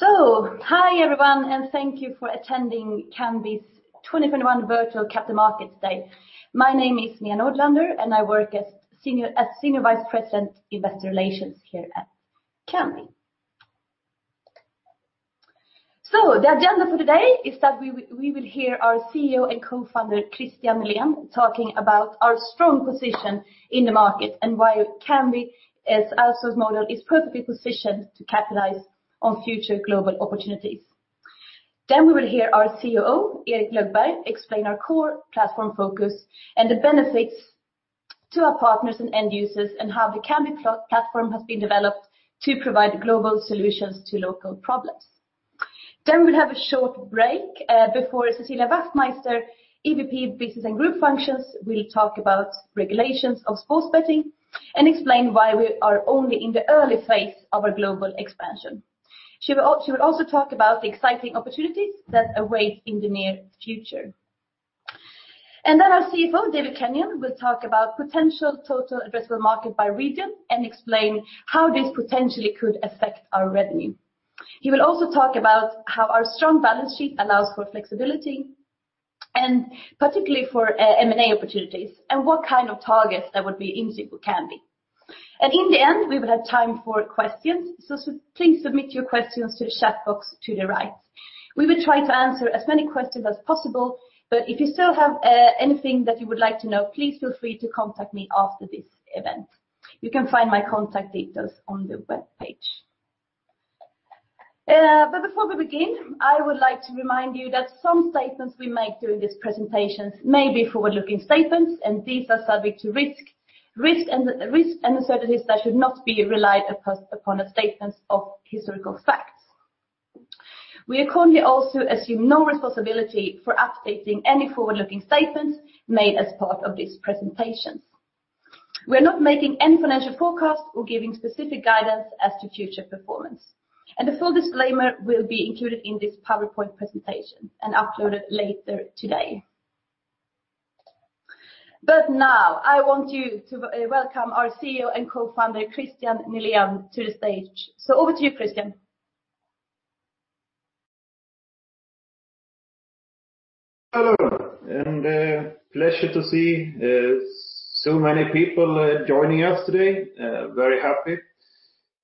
Hi, everyone, and thank you for attending Kambi's 2021 Virtual Capital Markets Day. My name is Nina Öhlund, and I work as Senior Vice President, Investor Relations here at Kambi. The agenda for today is that we will hear our CEO and co-founder, Kristian Nylén, talking about our strong position in the market and why Kambi, as our model, is perfectly positioned to capitalize on future global opportunities. We'll hear our COO, Erik Lögdberg, explain our core platform focus and the benefits to our partners and end users and how the Kambi platform has been developed to provide global solutions to local problems. We'll have a short break before Cecilia Wachtmeister, EVP Business and Group Functions, will talk about regulations of sports betting and explain why we are only in the early phase of our global expansion. She will also talk about the exciting opportunities that await in the near future. Then our CFO, David Kenyon, will talk about potential total addressable market by region and explain how this potentially could affect our revenue. He will also talk about how our strong balance sheet allows for flexibility, and particularly for M&A opportunities, and what kind of targets that would be in suit with Kambi. In the end, we will have time for questions, so please submit your questions to the chat box to the right. We will try to answer as many questions as possible, but if you still have anything that you would like to know, please feel free to contact me after this event. You can find my contact details on the web page. Before we begin, I would like to remind you that some statements we make during this presentation may be forward-looking statements, and these are subject to risk and uncertainties that should not be relied upon as statements of historical facts. We accordingly also assume no responsibility for updating any forward-looking statements made as part of this presentation. We are not making any financial forecasts or giving specific guidance as to future performance, and a full disclaimer will be included in this PowerPoint presentation and uploaded later today. Now, I want you to welcome our CEO and Co-founder, Kristian Nylén, to the stage. Over to you, Kristian. Hello, pleasure to see so many people joining us today. Very happy.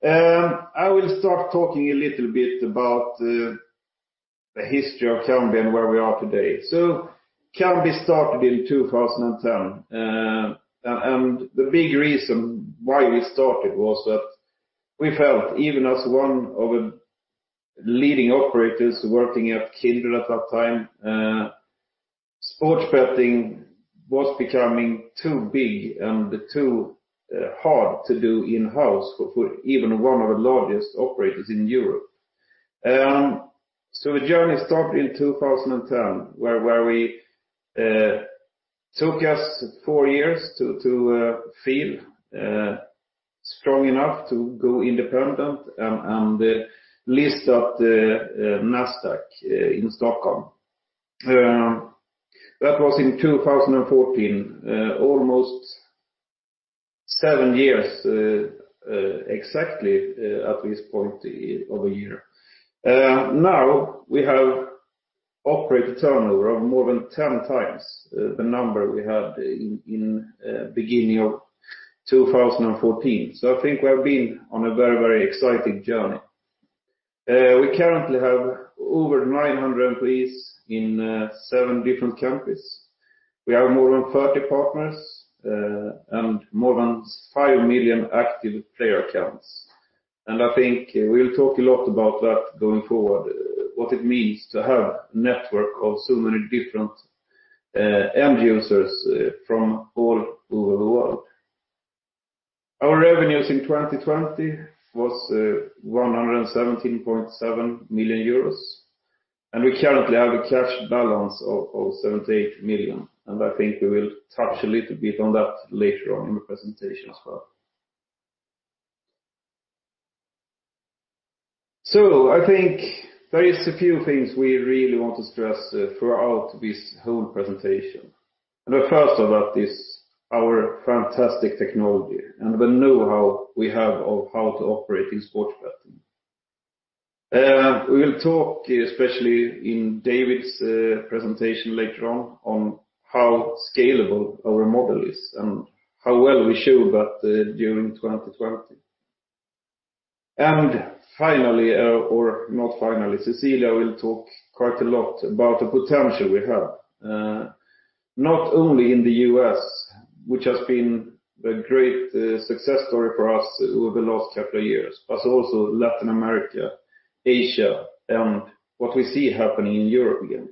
I will start talking a little bit about the history of Kambi and where we are today. Kambi started in 2010. The big reason why we started was that we felt, even as one of the leading operators working at Kindred at that time, sports betting was becoming too big and too hard to do in-house for even one of the largest operators in Europe. The journey started in 2010, where we took us four years to feel strong enough to go independent and list at the Nasdaq in Stockholm. That was in 2014, almost seven years exactly at this point of a year. Now we have operator turnover of more than 10 times the number we had in beginning of 2014. I think we've been on a very exciting journey. We currently have over 900 employees in seven different countries. We have more than 30 partners, and more than 5 million active player accounts. I think we'll talk a lot about that going forward, what it means to have a network of so many different end users from all over the world. Our revenues in 2020 was 117.7 million euros, and we currently have a cash balance of 78 million. I think we will touch a little bit on that later on in the presentation as well. I think there is a few things we really want to stress throughout this whole presentation. The first of that is our fantastic technology and the know-how we have of how to operate in sports betting. We will talk, especially in David's presentation later on how scalable our model is and how well we show that during 2020. Finally, or not finally, Cecilia will talk quite a lot about the potential we have, not only in the U.S., which has been a great success story for us over the last couple of years, but also Latin America, Asia, and what we see happening in Europe again.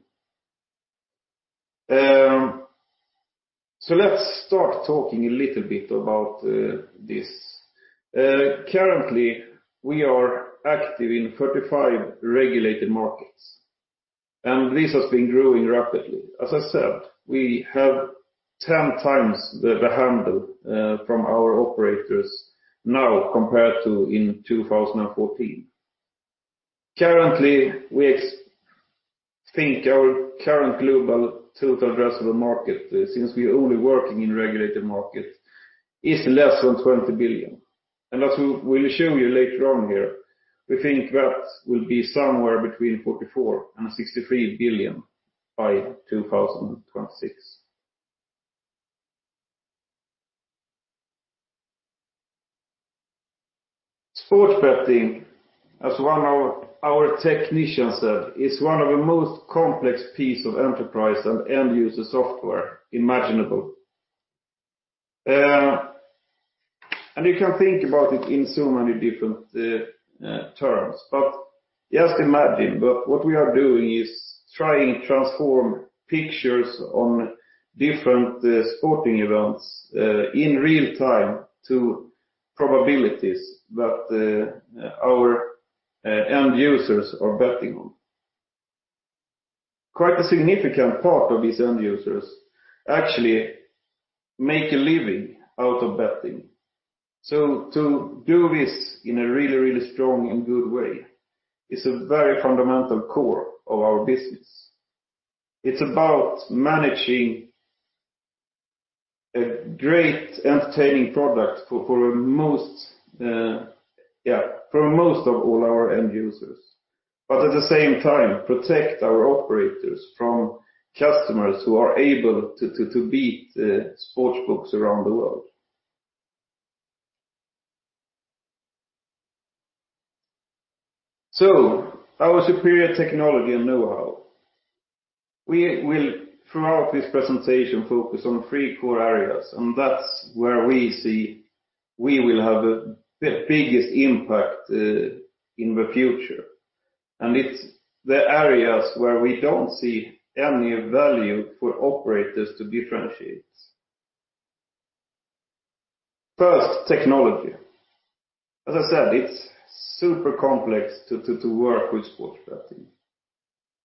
Let's start talking a little bit about this. Currently, we are active in 35 regulated markets, and this has been growing rapidly. As I said, we have 10 times the handle from our operators now compared to in 2014. Currently, we think our current global total addressable market, since we are only working in regulated markets, is less than 20 billion. As we'll show you later on here, we think that will be somewhere between 44 billion and 63 billion by 2026. Sports betting, as one of our technicians said, is one of the most complex piece of enterprise and end-user software imaginable. You can think about it in so many different terms, but just imagine that what we are doing is trying to transform pictures on different sporting events in real time to probabilities that our end users are betting on. Quite a significant part of these end users actually make a living out of betting. To do this in a really strong and good way is a very fundamental core of our business. It's about managing a great entertaining product for most of all our end users, but at the same time, protect our operators from customers who are able to beat the sports books around the world. Our superior technology and know-how. We will, throughout this presentation, focus on three core areas, and that's where we see we will have the biggest impact in the future. It's the areas where we don't see any value for operators to differentiate. First, technology. As I said, it's super complex to work with sports betting.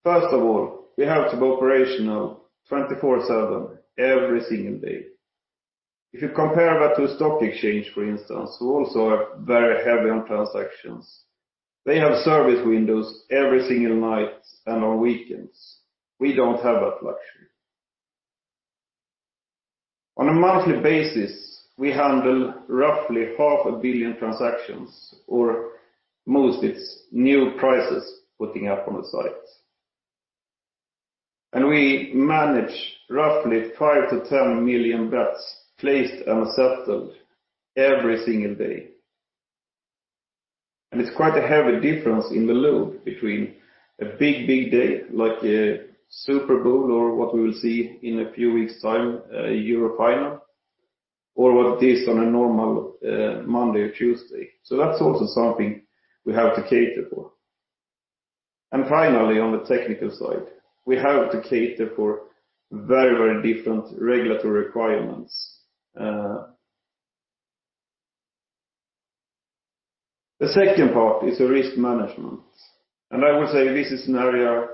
First of all, we have to be operational 24/7 every single day. If you compare that to a stock exchange, for instance, who also are very heavy on transactions, they have service windows every single night and on weekends. We don't have that luxury. On a monthly basis, we handle roughly 500,000,000 transactions, or most it's new prices putting up on the site. We manage roughly 5 million-10 million bets placed and settled every single day. It's quite a heavy difference in the load between a big day like a Super Bowl or what we'll see in a few weeks time, a Euro final, or what it is on a normal Monday or Tuesday. That's also something we have to cater for. Finally, on the technical side, we have to cater for very different regulatory requirements. The second part is risk management, and I would say this is an area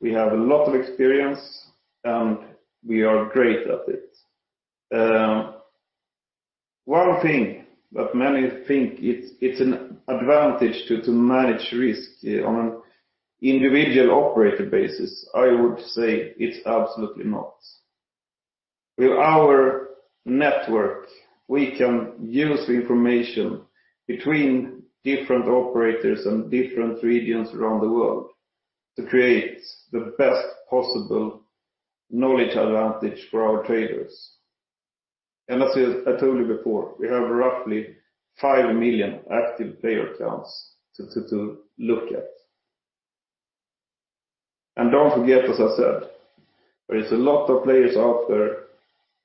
we have a lot of experience, and we are great at it. One thing that many think it's an advantage to manage risk on an individual operator basis, I would say it's absolutely not. With our network, we can use information between different operators and different regions around the world to create the best possible knowledge advantage for our traders. As I told you before, we have roughly 5 million active player accounts to look at. Don't forget, as I said, there is a lot of players out there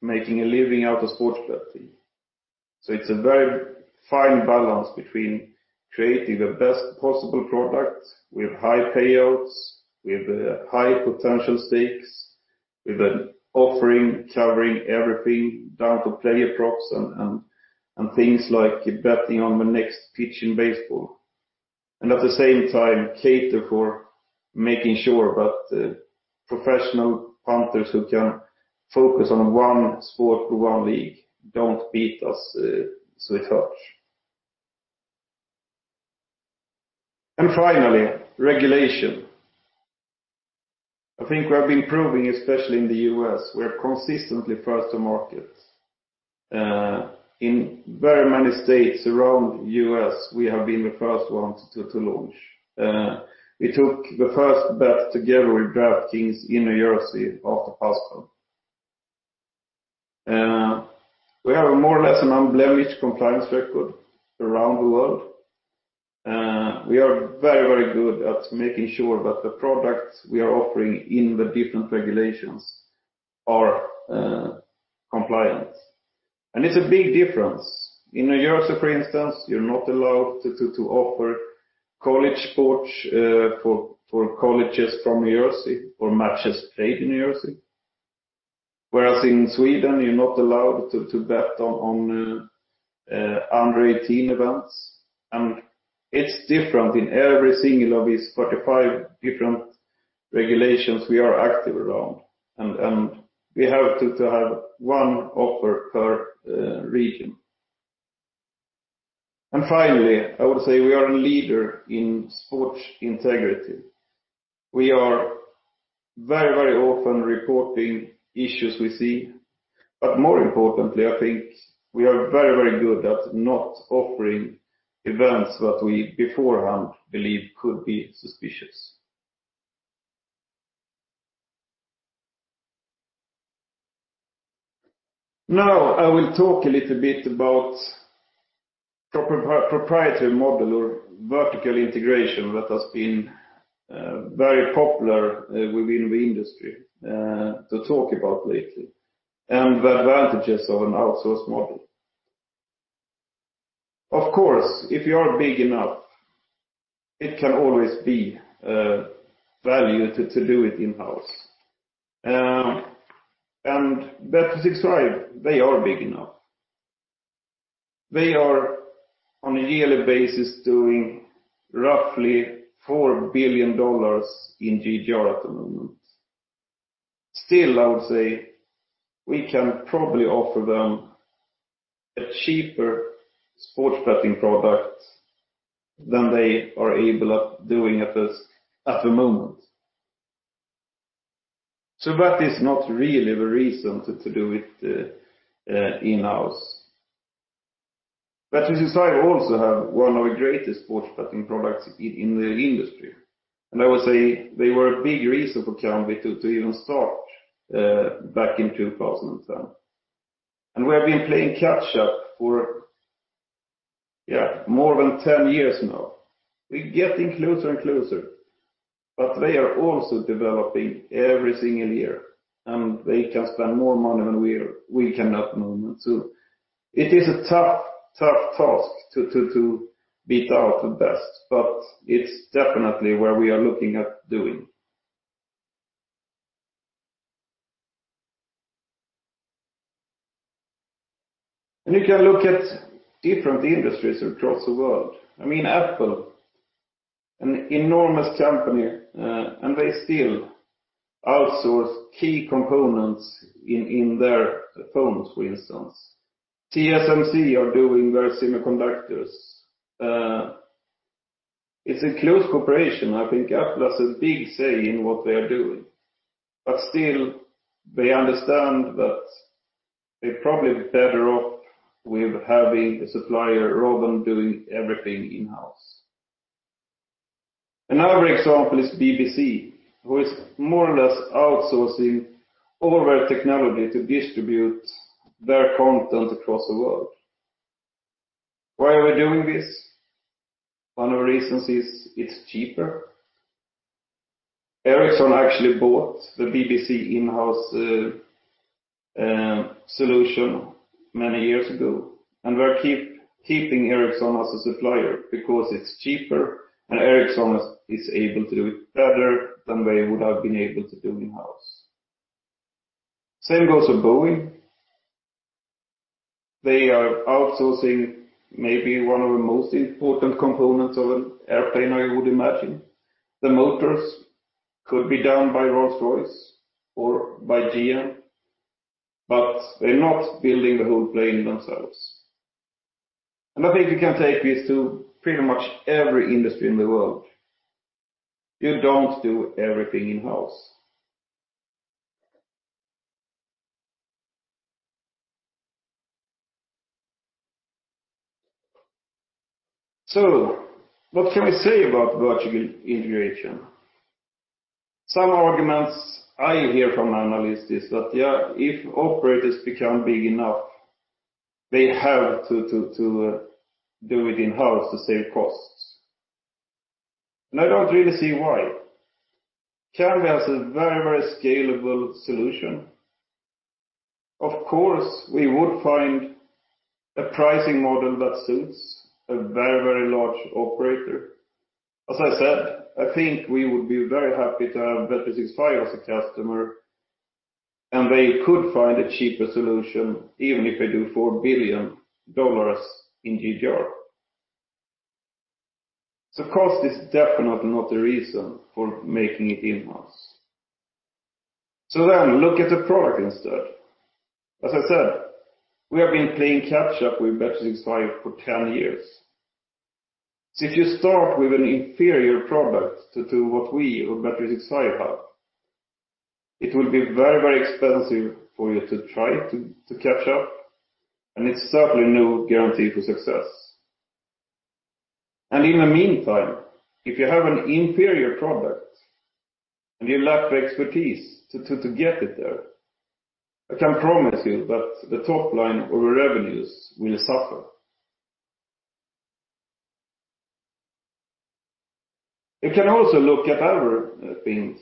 making a living out of sports betting. It's a very fine balance between creating the best possible product with high payouts, with high potential stakes, with an offering covering everything down to player props and things like betting on the next pitch in baseball, and at the same time, cater for making sure that the professional punters who can focus on one sport or one league don't beat us so much. Finally, regulation. I think we have been proving, especially in the U.S., we are consistently first to market. In very many states around the U.S., we have been the first ones to launch. We took the first bet together with DraftKings in New Jersey after PASPA. We have a more or less an unblemished compliance record around the world. We are very good at making sure that the products we are offering in the different regulations are compliant. It's a big difference. In New Jersey, for instance, you're not allowed to offer college sports for colleges from New Jersey or matches played in New Jersey. Whereas in Sweden, you're not allowed to bet on under 18 events. It's different in every single of these 45 different regulations we are active around, and we have to have one offer per region. Finally, I would say we are a leader in sports integrity. We are very often reporting issues we see, but more importantly, I think we are very good at not offering events that we beforehand believe could be suspicious. Now, I will talk a little bit about proprietary model or vertical integration that has been very popular within the industry to talk about lately, and the advantages of an outsourced model. Of course, if you are big enough, it can always be valued to do it in-house, bet365, they are big enough. They are on a yearly basis doing roughly EUR 4 billion in GGR at the moment. Still, I would say we can probably offer them a cheaper sports betting product than they are able doing at this moment. That is not really the reason to do it in-house, bet365 also have one of the greatest sports betting products in the industry, and I would say they were a big reason for Kambi to even start back in 2010. We've been playing catch up for more than 10 years now. We're getting closer and closer, they are also developing every single year, and they can spend more money than we cannot at the moment. It is a tough task to beat out the best, but it's definitely what we are looking at doing. You can look at different industries across the world. Apple, an enormous company, and they still outsource key components in their phones, for instance. TSMC are doing their semiconductors. It's a close cooperation. I think Apple has a big say in what they are doing, but still, they understand that they're probably better off with having a supplier rather than doing everything in-house. Another example is BBC, who is more or less outsourcing all of their technology to distribute their content across the world. Why are we doing this? One of the reasons is it's cheaper. Ericsson actually bought the BBC in-house solution many years ago. We are keeping Ericsson as a supplier because it's cheaper and Ericsson is able to do it better than they would have been able to do in-house. Same goes for Boeing. They are outsourcing maybe one of the most important components of an airplane I would imagine. The motors could be done by Rolls-Royce or by GM. They're not building the whole plane themselves. I think you can take this to pretty much every industry in the world. You don't do everything in-house. What can we say about vertical integration? Some arguments I hear from analysts is that, if operators become big enough, they have to do it in-house to save costs. I don't really see why. Kambi has a very scalable solution. Of course, we would find a pricing model that suits a very large operator. As I said, I think we would be very happy to have bet365 as a customer, and they could find a cheaper solution even if they do EUR 4 billion in GGR. Cost is definitely not the reason for making it in-house. Look at the product instead. As I said, we have been playing catch up with bet365 for 10 years. If you start with an inferior product to what we or bet365 have, it will be very expensive for you to try to catch up, and it's certainly no guarantee for success. In the meantime, if you have an inferior product and you lack the expertise to get it there, I can promise you that the top line of the revenues will suffer. You can also look at other things.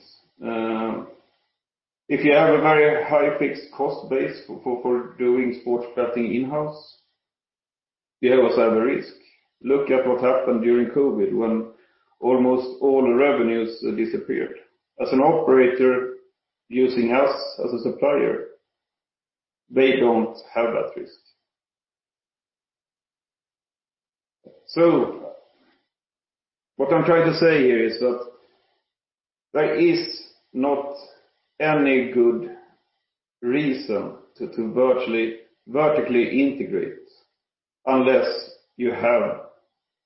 If you have a very high fixed cost base for doing sports betting in-house, you always have a risk. Look at what happened during COVID when almost all the revenues disappeared. As an operator using us as a supplier, they don't have that risk. What I'm trying to say here is that there is not any good reason to vertically integrate unless you have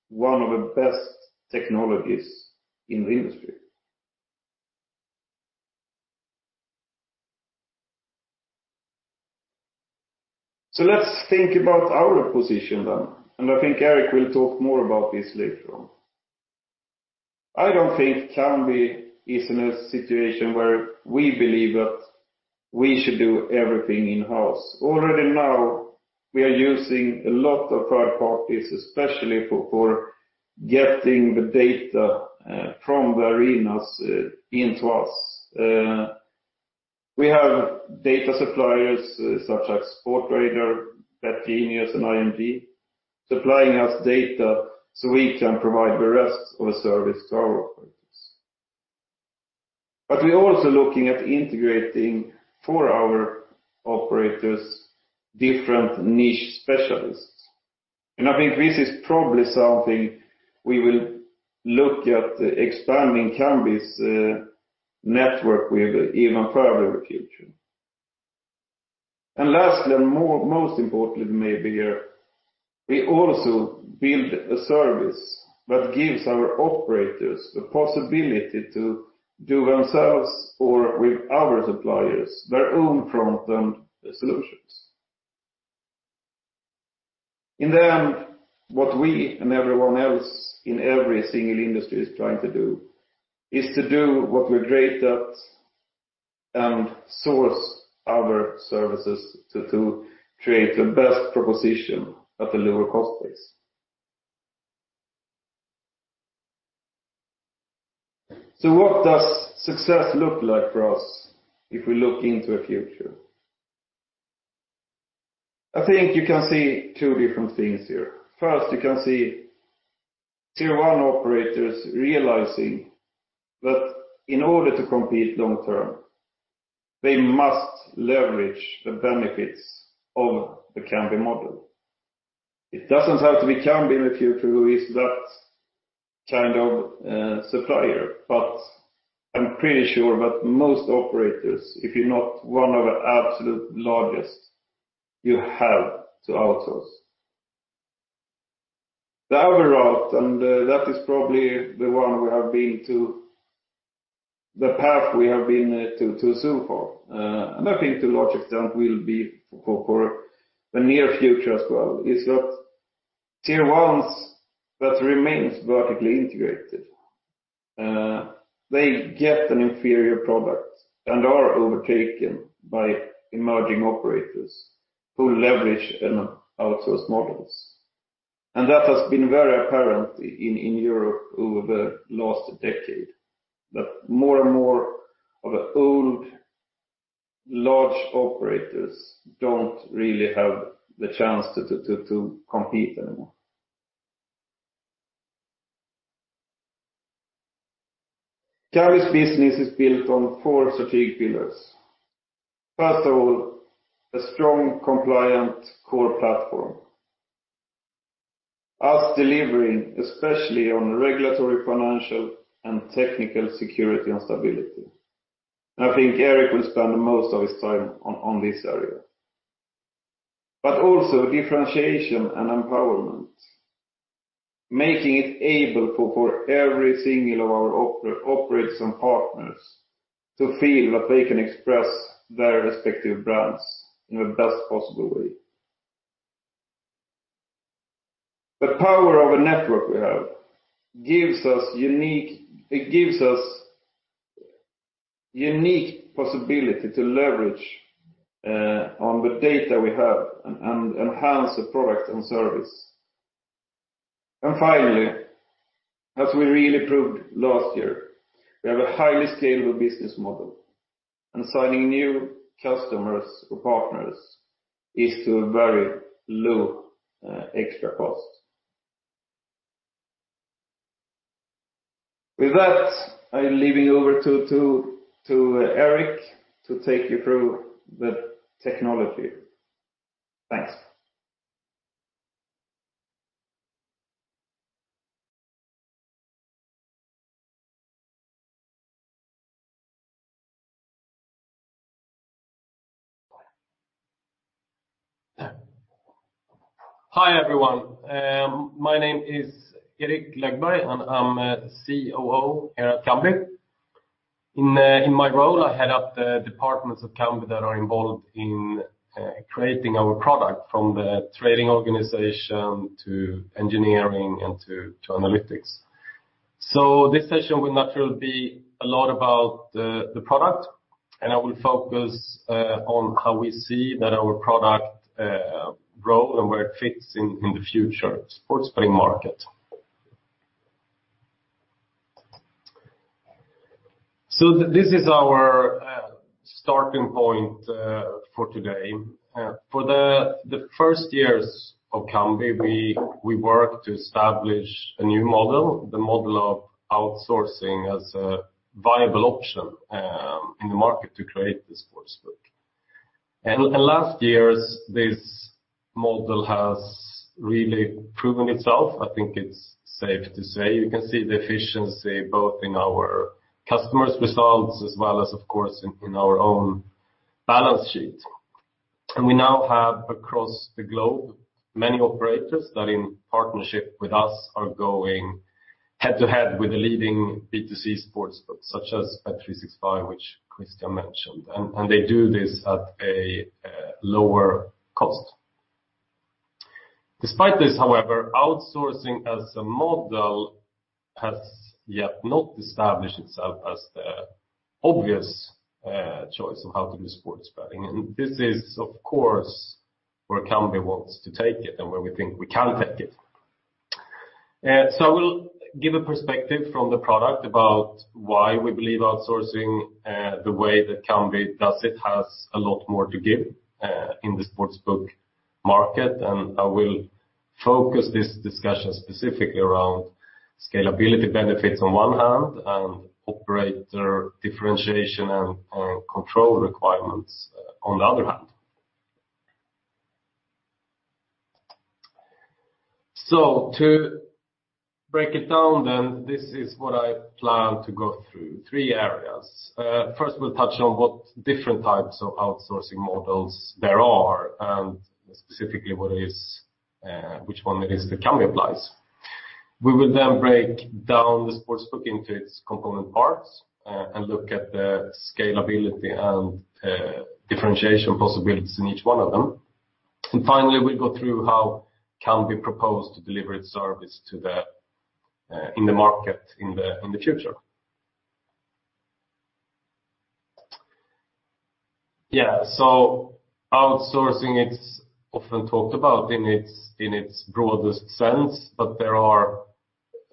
one of the best technologies in the industry. Let's think about our position then, and I think Erik will talk more about this later on. I don't think Kambi is in a situation where we believe that we should do everything in-house. Already now, we are using a lot of third parties, especially for getting the data from the arenas into us. We have data suppliers such as Sportradar, Betgenius, and IMG supplying us data so we can provide the rest of the service to our operators. We're also looking at integrating for our operators different niche specialists. I think this is probably something we will look at expanding Kambi's network with even further in the future. Lastly, and most importantly maybe here, we also build a service that gives our operators the possibility to do themselves or with other suppliers their own front-end solutions. In the end, what we and everyone else in every single industry is trying to do is to do what we're great at and source other services to create the best proposition at a lower cost base. What does success look like for us if we look into the future? I think you can see two different things here. First, you can see Tier 1 operators realizing that in order to compete long term, they must leverage the benefits of the Kambi model. It doesn't have to be Kambi that you have to use, that kind of supplier, but I'm pretty sure that most operators, if you're not one of the absolute largest, you have to outsource. The other route, and that is probably the path we have been to assume for, and I think the logic that we'll be for the near future as well, is that Tier 1s that remains vertically integrated, they get an inferior product and are overtaken by emerging operators who leverage outsourced models. That has been very apparent in Europe over the last decade, that more and more of the old large operators don't really have the chance to compete anymore. Kambi's business is built on four strategic pillars. First of all, a strong compliant core platform. Us delivering, especially on the regulatory, financial, and technical security and stability. I think Erik Lögdberg will spend the most of his time on this area. Also differentiation and empowerment, making it able for every single of our operators and partners to feel that they can express their respective brands in the best possible way. The power of a network we have, it gives us unique possibility to leverage on the data we have and enhance the product and service. Finally, as we really proved last year, we have a highly scalable business model, and signing new customers or partners is to a very low extra cost. With that, I leave it over to Erik Lögdberg to take you through the technology. Thanks. Hi, everyone. My name is Erik Lögdberg, and I'm a COO here at Kambi. In my role, I head up the departments of Kambi that are involved in creating our product from the trading organization to engineering and to analytics. This session will naturally be a lot about the product, and I will focus on how we see that our product grow and where it fits in the future sports betting market. This is our starting point for today. For the first years of Kambi, we worked to establish a new model, the model of outsourcing as a viable option in the market to create the sports book. In the last years, this model has really proven itself, I think it's safe to say. You can see the efficiency both in our customers results as well as, of course, in our own balance sheet. We now have, across the globe, many operators that in partnership with us, are going head-to-head with the leading B2C sportsbooks, such as bet365, which Kristian mentioned, and they do this at a lower cost. Despite this, however, outsourcing as a model has yet not established itself as the obvious choice on how to do sports betting. This is, of course, where Kambi wants to take it and where we think we can take it. I will give a perspective from the product about why we believe outsourcing the way that Kambi does it has a lot more to give in the sportsbook market, and I will focus this discussion specifically around scalability benefits on one hand and operator differentiation and control requirements on the other hand. To break it down then, this is what I plan to go through, three areas. First, we'll touch on what different types of outsourcing models there are, and specifically which one it is that Kambi applies. We will then break down the sportsbook into its component parts and look at the scalability and differentiation possibilities in each one of them. Finally, we go through how Kambi propose to deliver its service in the market in the future. Outsourcing, it's often talked about in its broadest sense, but there are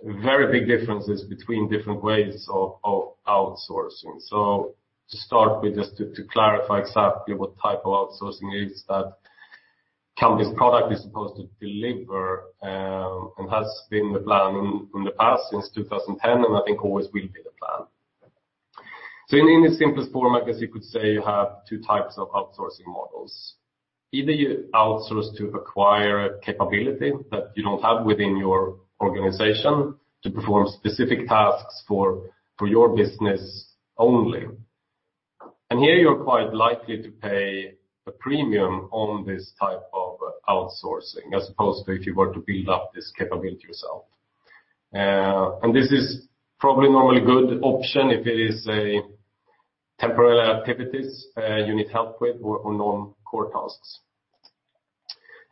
very big differences between different ways of outsourcing. To start with, just to clarify exactly what type of outsourcing it is that Kambi's product is supposed to deliver and has been the plan in the past since 2010, and I think always will be the plan. In the simplest form, I guess you could say you have two types of outsourcing models. Either you outsource to acquire a capability that you don't have within your organization to perform specific tasks for your business only. Here you're quite likely to pay a premium on this type of outsourcing, as opposed to if you were to build up this capability yourself. This is probably normally a good option if it is a temporary activities you need help with or non-core tasks.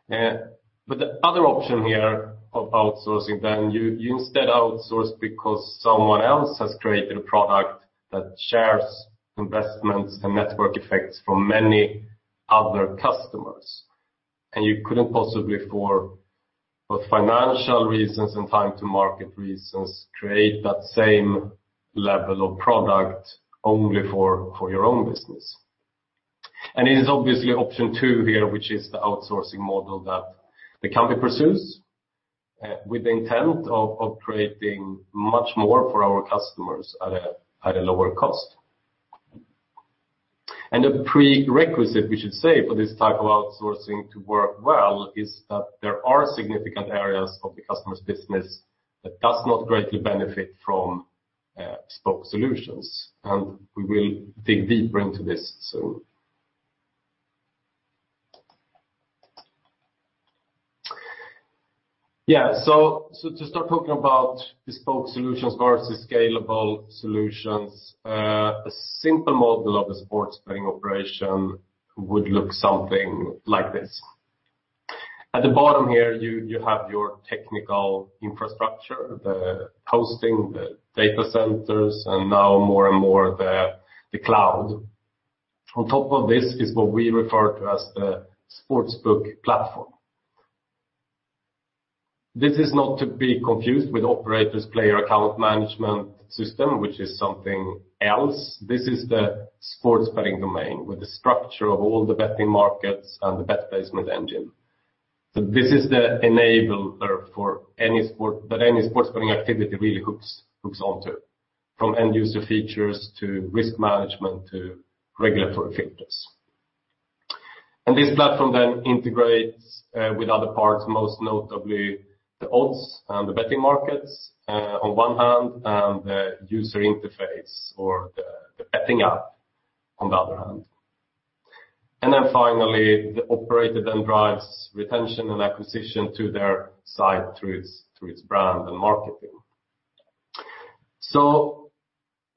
The other option here of outsourcing, then you instead outsource because someone else has created a product that shares investments and network effects from many other customers, and you couldn't possibly for both financial reasons and time to market reasons, create that same level of product only for your own business. It is obviously option two here, which is the outsourcing model that Kambi pursues with the intent of creating much more for our customers at a lower cost. The prerequisite, we should say, for this type of outsourcing to work well is that there are significant areas of the customer's business that does not directly benefit from bespoke solutions. We will dig deeper into this soon. To start talking about bespoke solutions versus scalable solutions, a simple model of a sports betting operation would look something like this. At the bottom here you have your technical infrastructure, the hosting, the data centers, and now more and more the cloud. On top of this is what we refer to as the sportsbook platform. This is not to be confused with operator's player account management system, which is something else. This is the sports betting domain with the structure of all the betting markets and the bet placement engine. This is the enabler for any sports betting activity really hooks onto, from end-user features to risk management to regulatory fitness. This platform then integrates with other parts, most notably the odds and the betting markets on one hand and the user interface or the betting app on the other hand. Finally, the operator then drives retention and acquisition to their site through its brand and marketing.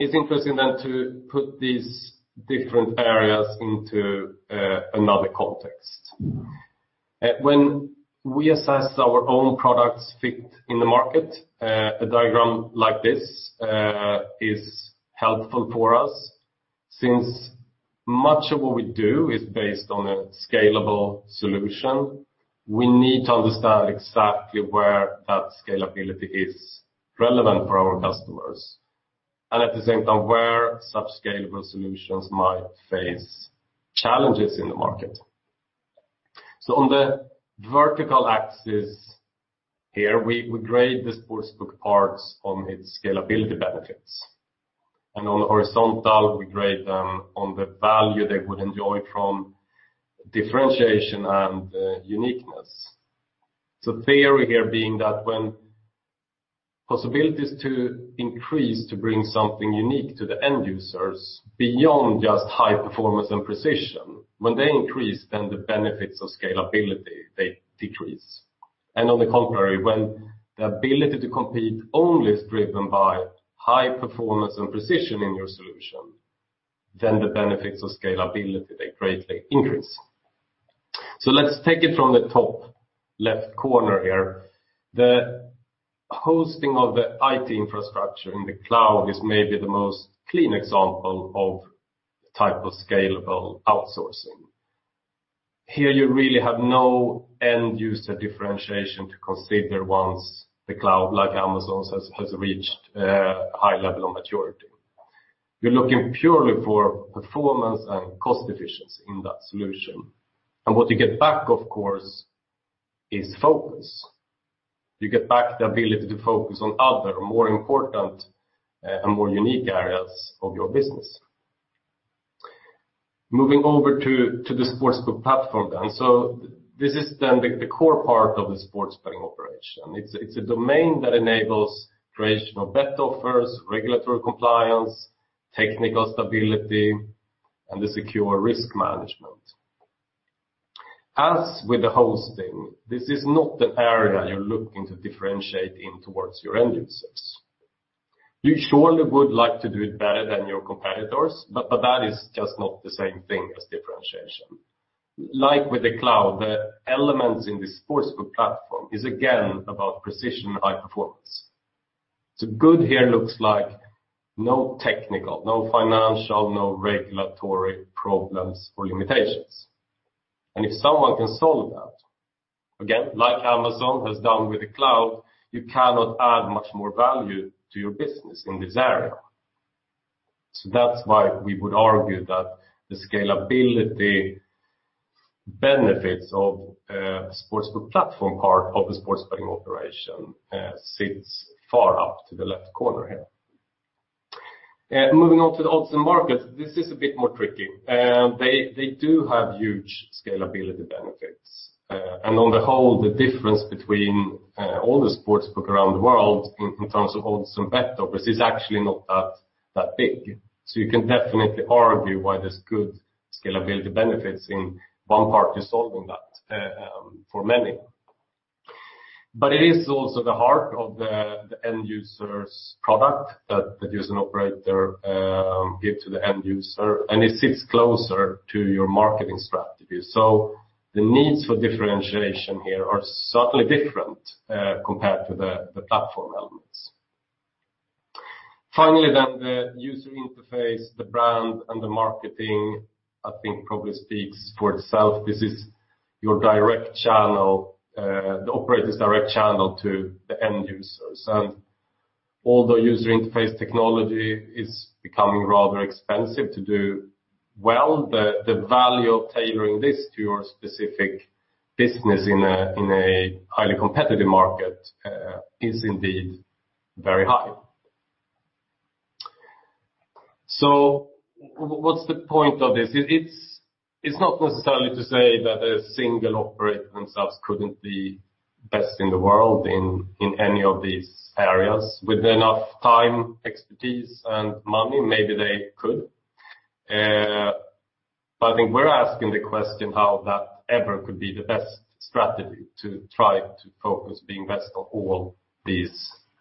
It is interesting then to put these different areas into another context. When we assess our own product's fit in the market, a diagram like this is helpful for us. Since much of what we do is based on a scalable solution, we need to understand exactly where that scalability is relevant for our customers and at the same time where such scalable solutions might face challenges in the market. On the vertical axis here, we grade the sportsbook parts on its scalability benefits, and on the horizontal, we grade them on the value they would enjoy from differentiation and uniqueness. Theory here being that when possibilities to increase to bring something unique to the end users beyond just high performance and precision, when they increase, then the benefits of scalability, they decrease. On the contrary, when the ability to compete only is driven by high performance and precision in your solution, then the benefits of scalability, they greatly increase. Let's take it from the top left corner here. The hosting of the IT infrastructure in the cloud is maybe the most clean example of type of scalable outsourcing. Here you really have no end user differentiation to consider once the cloud, like Amazon's, has reached a high level of maturity. You're looking purely for performance and cost efficiency in that solution. What you get back, of course, is focus. You get back the ability to focus on other more important and more unique areas of your business. Moving over to the sportsbook platform then. This is then the core part of the sportsbook operation. It's a domain that enables creation of bet offers, regulatory compliance, technical stability, and the secure risk management. As with the hosting, this is not the area you're looking to differentiate in towards your end users. That is just not the same thing as differentiation. Like with the cloud, the elements in the sportsbook platform is again about precision and high performance. Good here looks like no technical, no financial, no regulatory problems or limitations. If someone can solve that, again, like Amazon has done with the cloud, you cannot add much more value to your business in this area. That's why we would argue that the scalability benefits of a sportsbook platform part of the sportsbook operation sits far up to the left corner here. Moving on to the odds and markets, this is a bit more tricky. They do have huge scalability benefits. On the whole, the difference between all the sportsbooks around the world in terms of odds and bet offers is actually not that big. You can definitely argue why there's good scalability benefits in one party solving that for many. It is also the heart of the end user's product that is an operator give to the end user, and it sits closer to your marketing strategy. The needs for differentiation here are subtly different compared to the platform elements. Finally, the user interface, the brand, and the marketing, I think, probably speaks for itself. This is the operator's direct channel to the end users. Although user interface technology is becoming rather expensive to do well, the value of tailoring this to your specific business in a highly competitive market is indeed very high. What's the point of this? It's not necessarily to say that a single operator themselves couldn't be best in the world in any of these areas. With enough time, expertise, and money, maybe they could. We're asking the question how that ever could be the best strategy to try to focus being best on all these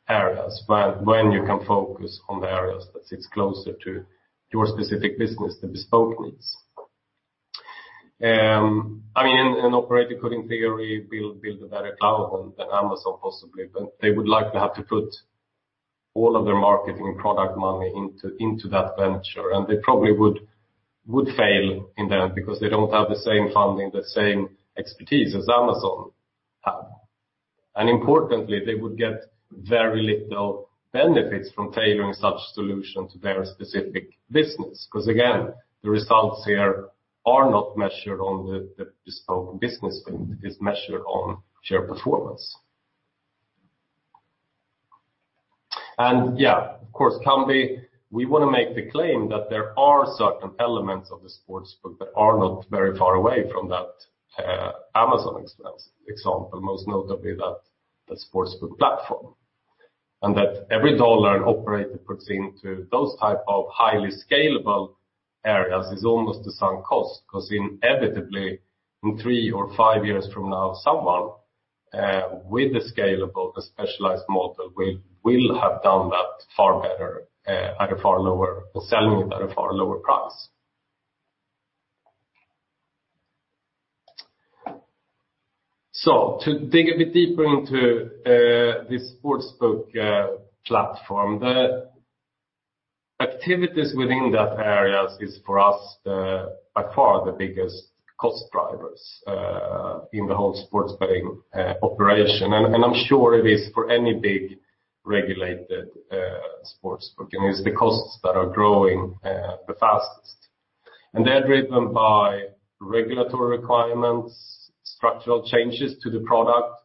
areas, when you can focus on the areas that sits closer to your specific business, the bespoke needs. An operator could, in theory, build a better cloud than Amazon possibly, but they would likely have to put all of their marketing product money into that venture, and they probably would fail in the end because they don't have the same funding, the same expertise as Amazon have. Importantly, they would get very little benefits from tailoring such solution to their specific business because, again, the results here are not measured on the bespoke business, it is measured on sheer performance. Yeah, of course, Kambi, we want to make the claim that there are certain elements of the sportsbook that are not very far away from that Amazon example, most notably that the sportsbook platform, and that every dollar an operator puts into those type of highly scalable areas is almost the same cost because inevitably, in three or four years from now, someone with a scalable, a specialized model will have done that far better at a far lower cost and at a far lower price. To dig a bit deeper into the sportsbook platform, the activities within that area is for us by far the biggest cost drivers in the whole sports betting operation. I'm sure it is for any big regulated sports betting is the costs that are growing the fastest. They're driven by regulatory requirements, structural changes to the product,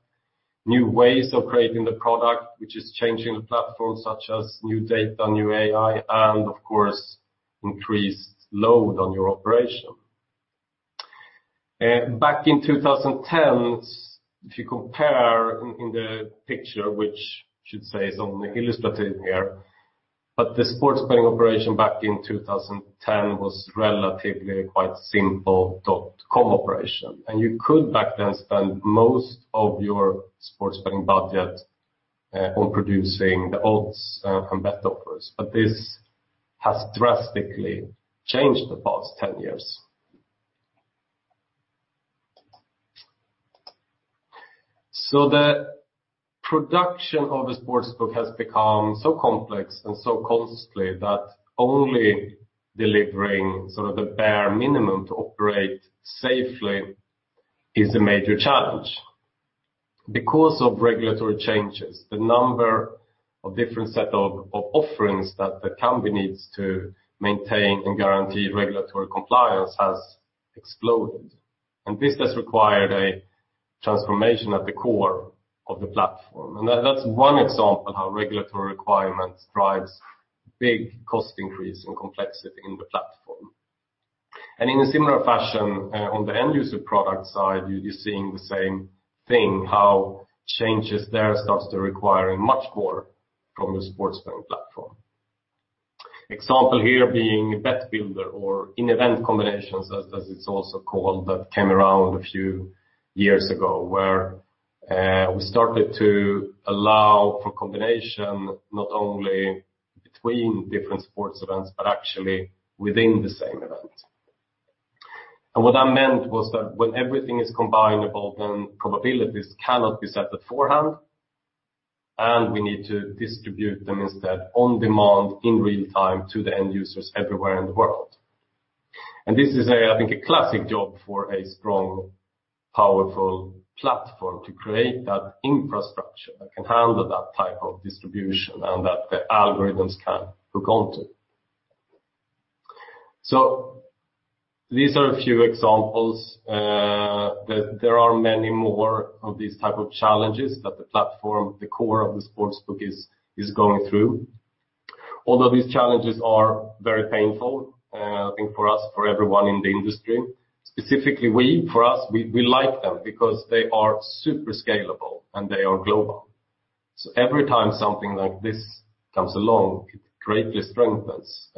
new ways of creating the product, which is changing the platform, such as new data, new AI, and of course, increased load on your operation. Back in 2010, if you compare in the picture, which I should say is only illustrative here, the sportsbook operation back in 2010 was relatively quite simple dotcom operation, and you could back then spend most of your sportsbook budget on producing the odds from bet offers, this has drastically changed the past 10 years. The production of the sportsbook has become so complex and so costly that only delivering sort of the bare minimum to operate safely is a major challenge. Because of regulatory changes, the number of different set of offerings that Kambi needs to maintain and guarantee regulatory compliance has exploded, and this has required a transformation at the core of the platform. That's one example of how regulatory requirements drives big cost increase and complexity in the platform. In a similar fashion, on the end user product side, you're seeing the same thing, how changes there starts to require much more from the sportsbook platform. Example here being a Bet Builder or in-event combinations, as it's also called, that came around a few years ago where we started to allow for combination not only between different sports events but actually within the same event. What that meant was that when everything is combinable, capabilities cannot be set beforehand, and we need to distribute them instead on demand, in real-time to the end users everywhere in the world. This is, I think, a classic job for a strong, powerful platform to create that infrastructure that can handle that type of distribution and that the algorithms can hook onto. These are a few examples. There are many more of these type of challenges that the platform, the core of the sportsbook is going through. These challenges are very painful, and for us, for everyone in the industry, specifically we, for us, we like them because they are super scalable and they are global. Every time something like this comes along, it greatly strengthens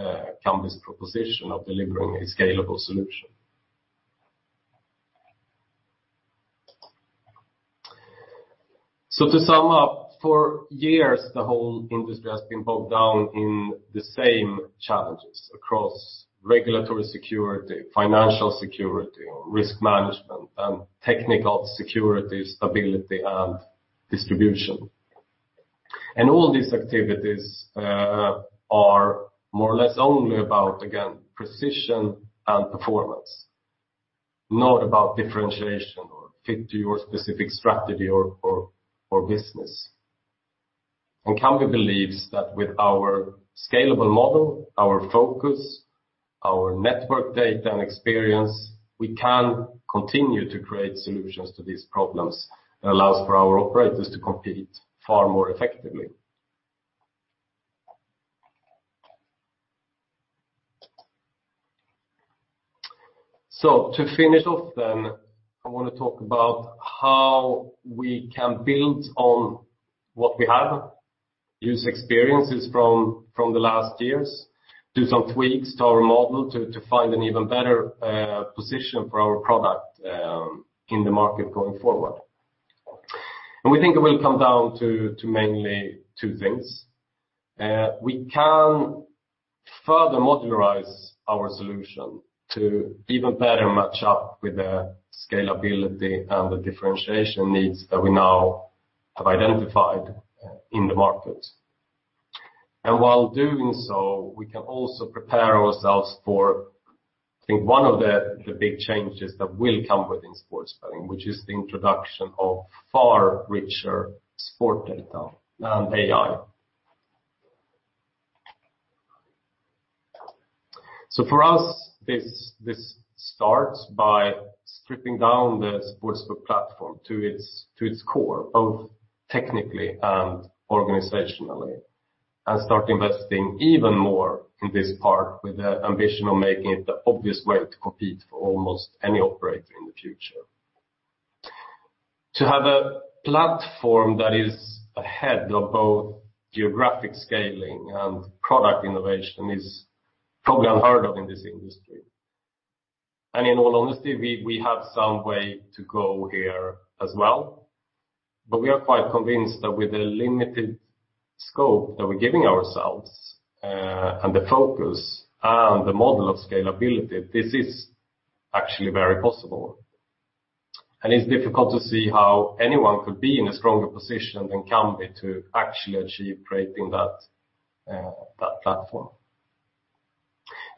Kambi's proposition of delivering a scalable solution. To sum up, for years, the whole industry has been bogged down in the same challenges across regulatory security, financial security, risk management, and technical security, stability and distribution. All these activities are more or less only about, again, precision and performance, not about differentiation or fit to your specific strategy or business. Kambi believes that with our scalable model, our focus, our network data and experience, we can continue to create solutions to these problems that allows for our operators to compete far more effectively. To finish off then, I want to talk about how we can build on what we have, use experiences from the last years, do some tweaks to our model to find an even better position for our product in the market going forward. We think it will come down to mainly two things. We can further modularize our solution to even better match up with the scalability and the differentiation needs that we now have identified in the market. While doing so, we can also prepare ourselves for, I think one of the big changes that will come within sports betting, which is the introduction of far richer sport data and AI. For us, this starts by stripping down the sportsbook platform to its core, both technically and organizationally, and start investing even more in this part with the ambition of making it the obvious way to compete for almost any operator in the future. To have a platform that is ahead of both geographic scaling and product innovation is probably unheard of in this industry. In all honesty, we have some way to go here as well, but we are quite convinced that with the limited scope that we're giving ourselves and the focus and the model of scalability, this is actually very possible. It's difficult to see how anyone could be in a stronger position than Kambi to actually achieve creating that platform.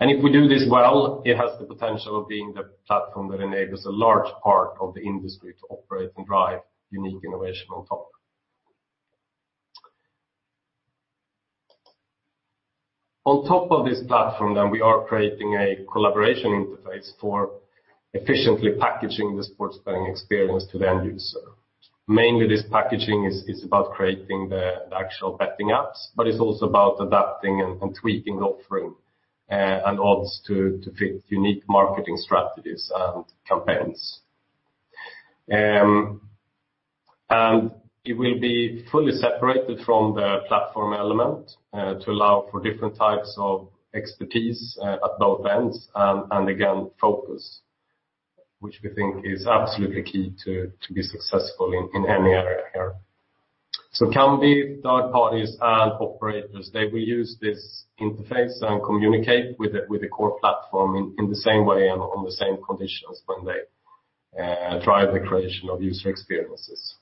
If we do this well, it has the potential of being the platform that enables a large part of the industry to operate and drive unique innovation on top. On top of this platform, we are creating a collaboration interface for efficiently packaging the sports betting experience to the end user. Mainly this packaging is about creating the actual betting apps, but it's also about adapting and tweaking the offering and odds to fit unique marketing strategies and campaigns. It will be fully separated from the platform element to allow for different types of expertise at both ends and again, focus, which we think is absolutely key to be successful in any area here. Kambi third parties and operators, they will use this interface and communicate with the core platform in the same way and on the same conditions when they drive the creation of user experiences.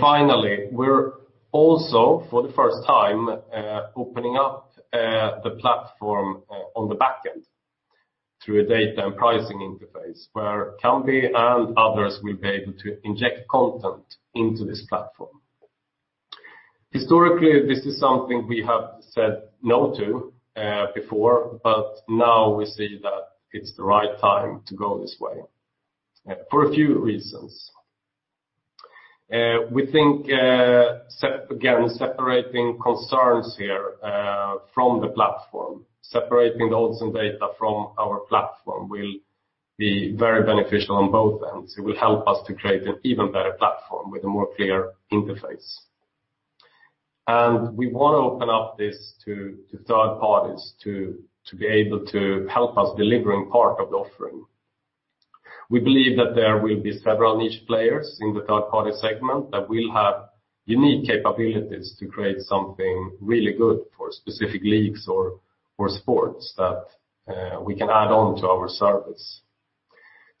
Finally, we're also for the first time, opening up the platform on the back end through a data and pricing interface where Kambi and others will be able to inject content into this platform. Historically, this is something we have said no to before, but now we see that it's the right time to go this way for a few reasons. We think, again, separating concerns here, from the platform, separating odds and data from our platform will be very beneficial on both ends. It will help us to create an even better platform with a more clear interface. We want to open up this to third parties to be able to help us deliver on part of the offering. We believe that there will be several niche players in the third-party segment that will have unique capabilities to create something really good for specific leagues or sports that we can add on to our service.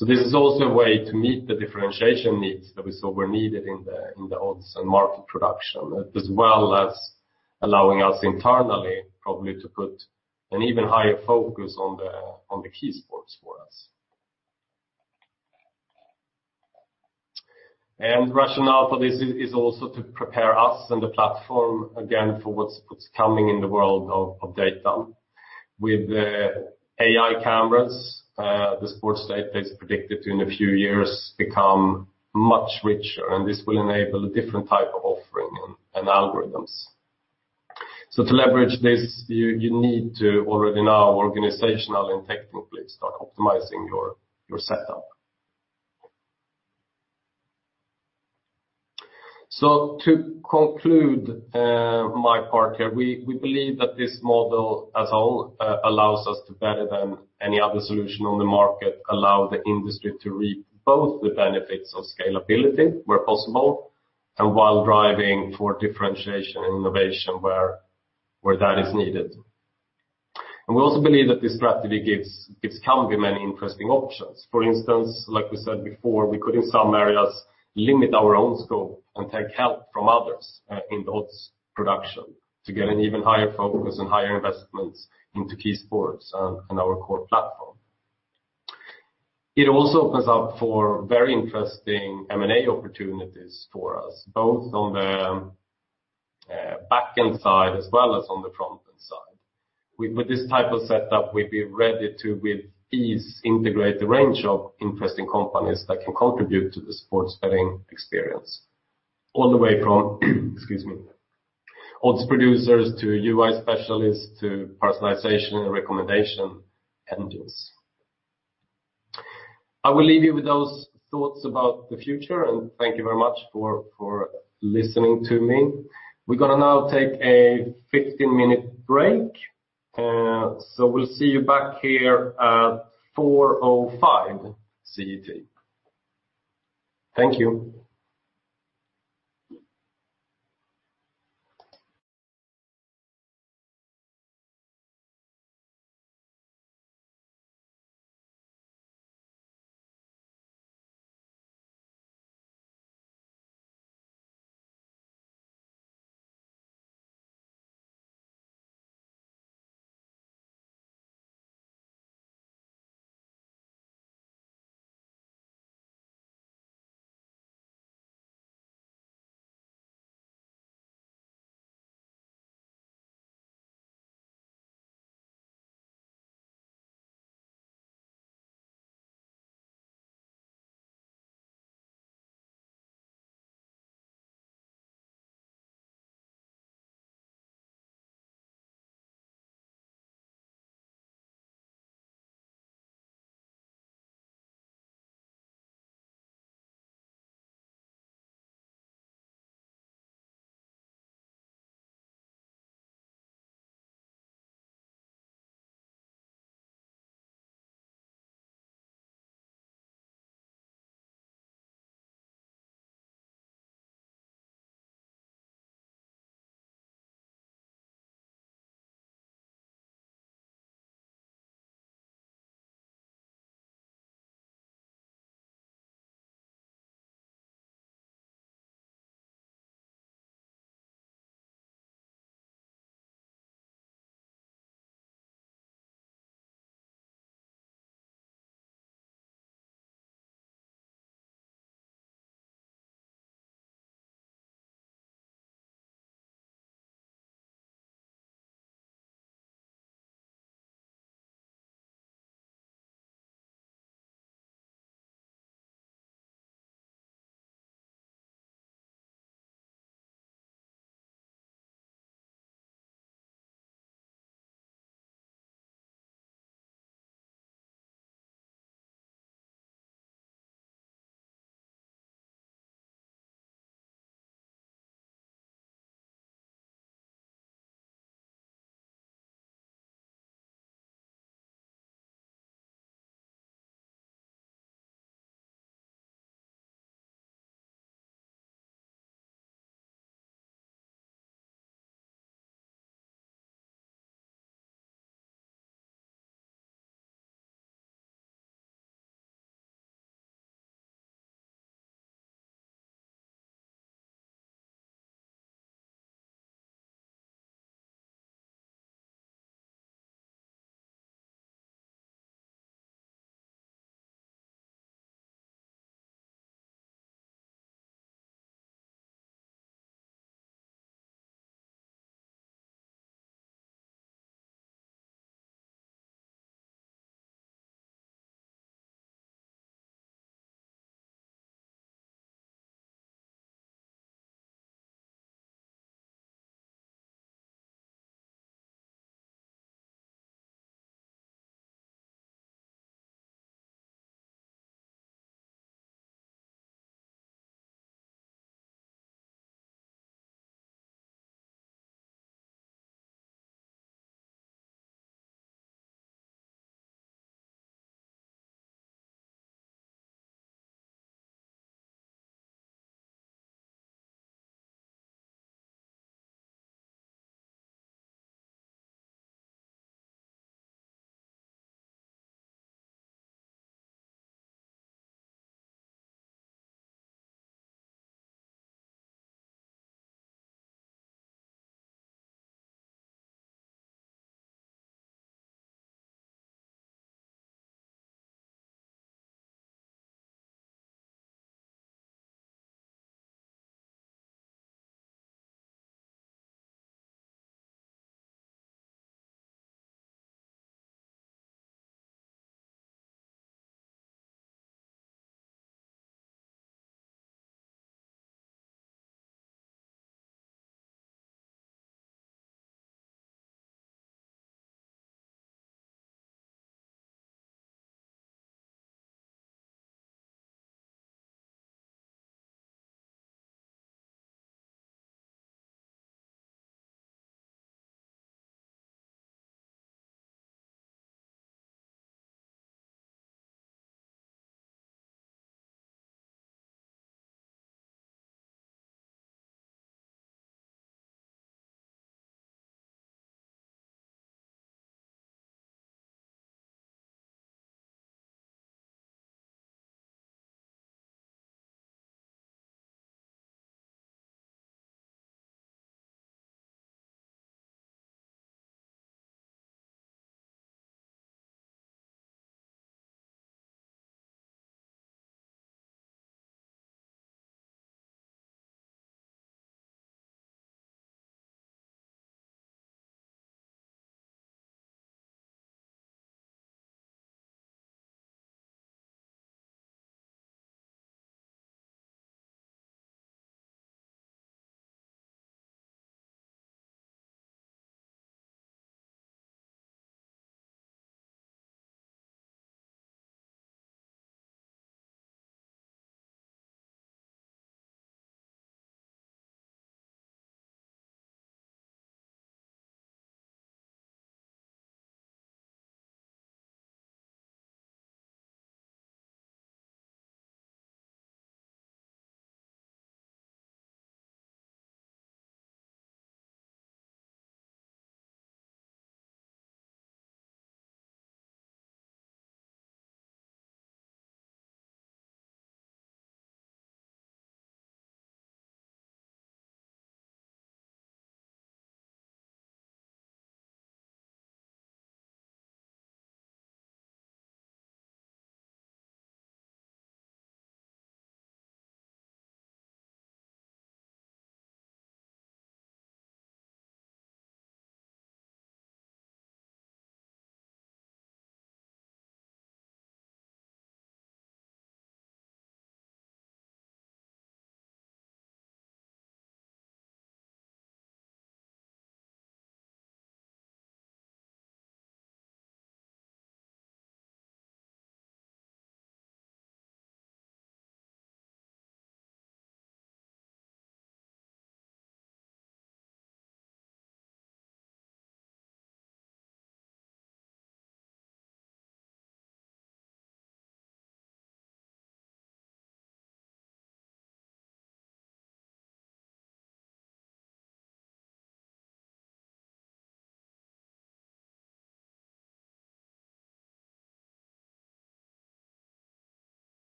This is also a way to meet the differentiation needs that we saw were needed in the odds and market production, as well as allowing us internally probably to put an even higher focus on the key sports for us. The rationale for this is also to prepare us and the platform again for what's coming in the world of data. With the AI cameras, the sports data is predicted in a few years to become much richer, and this will enable a different type of offering and algorithms. To leverage this, you need to already now organizationally and technically start optimizing your setup. To conclude my part here, we believe that this model as a whole allows us to better than any other solution on the market, allow the industry to reap both the benefits of scalability where possible and while driving for differentiation and innovation where that is needed. We also believe that this strategy gives Kambi many interesting options. For instance, like we said before, we could in some areas limit our own scope and take help from others in odds production to get an even higher focus on higher investments into key sports and our core platform. It also opens up for very interesting M&A opportunities for us, both on the back-end side as well as on the front-end side. With this type of setup, we'd be ready to, with ease, integrate a range of interesting companies that can contribute to the sports betting experience all the way from, excuse me, odds producers to UI specialists to personalization and recommendation engines. I will leave you with those thoughts about the future. Thank you very much for listening to me. We're going to now take a 15-minute break. We'll see you back here at 4:05 CET. Thank you.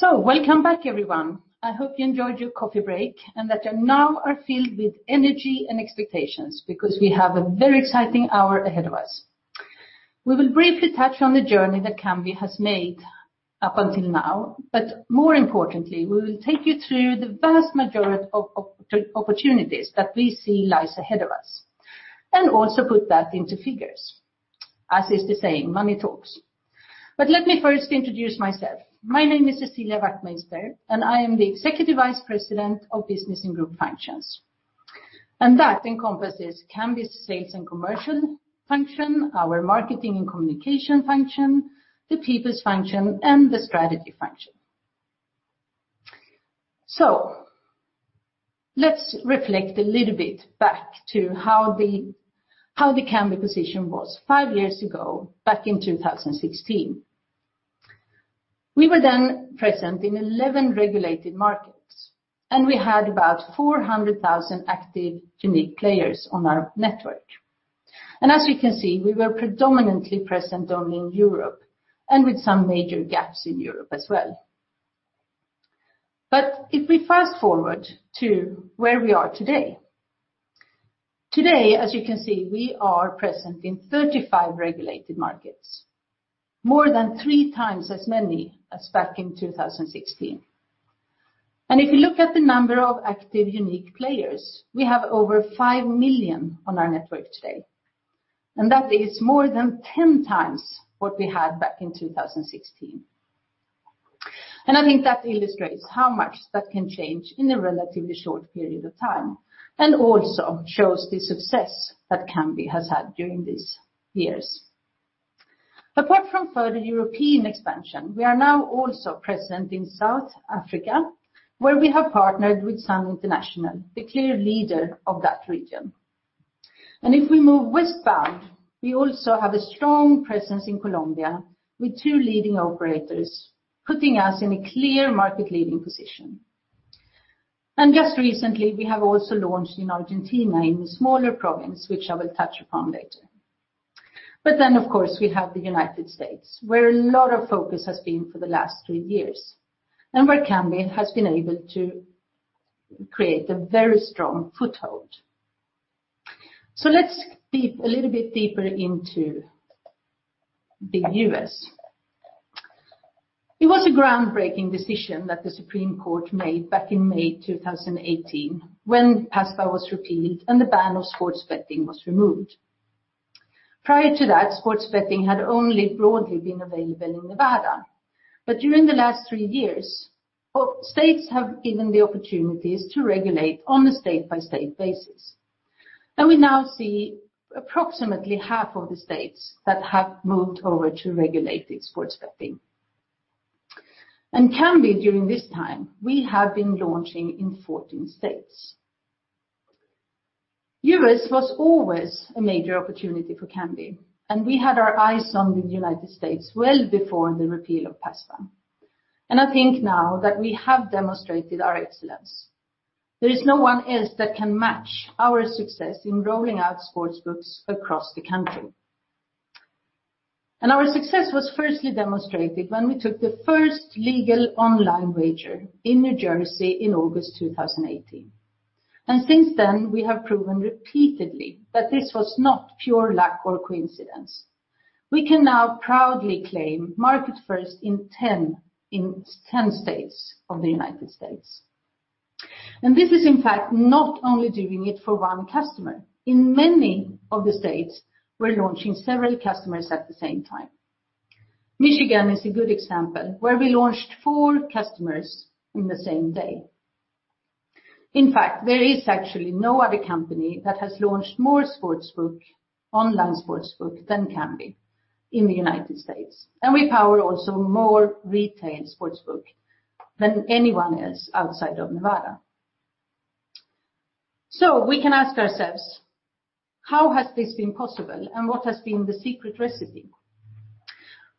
Welcome back, everyone. I hope you enjoyed your coffee break and that you now are filled with energy and expectations because we have a very exciting hour ahead of us. We will briefly touch on the journey that Kambi has made up until now, but more importantly, we will take you through the vast majority of opportunities that we see lies ahead of us, and also put that into figures. As is the saying, money talks. Let me first introduce myself. My name is Cecilia Wachtmeister, and I am the Executive Vice President of Business and Group Functions. That encompasses Kambi's sales and commercial function, our marketing and communication function, the peoples function, and the strategy function. Let's reflect a little bit back to how the Kambi position was 5 years ago, back in 2016. We were present in 11 regulated markets, and we had about 400,000 active unique players on our network. As you can see, we were predominantly present only in Europe and with some major gaps in Europe as well. If we fast-forward to where we are today. Today, as you can see, we are present in 35 regulated markets, more than three times as many as back in 2016. If you look at the number of active unique players, we have over five million on our network today, and that is more than 10 times what we had back in 2016. I think that illustrates how much that can change in a relatively short period of time and also shows the success that Kambi has had during these years. Apart from further European expansion, we are now also present in South Africa, where we have partnered with Sun International, the clear leader of that region. If we move westwards, we also have a strong presence in Colombia with two leading operators, putting us in a clear market-leading position. Just recently, we have also launched in Argentina in a smaller province, which I will touch upon later. Of course, we have the U.S., where a lot of focus has been for the last three years, and where Kambi has been able to create a very strong foothold. Let's dig a little bit deeper into the U.S. It was a groundbreaking decision that the Supreme Court made back in May 2018 when PASPA was repealed, and the ban on sports betting was removed. Prior to that, sports betting had only broadly been available in Nevada. During the last three years, states have been given the opportunities to regulate on a state-by-state basis. We now see approximately half of the states that have moved over to regulated sports betting. Kambi during this time, we have been launching in 14 states. U.S. was always a major opportunity for Kambi, and we had our eyes on the United States well before the repeal of PASPA. I think now that we have demonstrated our excellence. There is no one else that can match our success in rolling out sportsbooks across the country. Our success was firstly demonstrated when we took the first legal online wager in New Jersey in August 2018. Since then, we have proven repeatedly that this was not pure luck or coincidence. We can now proudly claim market first in 10 states of the United States. This is, in fact, not only doing it for one customer. In many of the states, we are launching several customers at the same time. Michigan is a good example, where we launched four customers in the same day. There is actually no other company that has launched more online sportsbook than Kambi in the U.S., and we power also more retail sportsbook than anyone else outside of Nevada. We can ask ourselves, how has this been possible and what has been the secret recipe?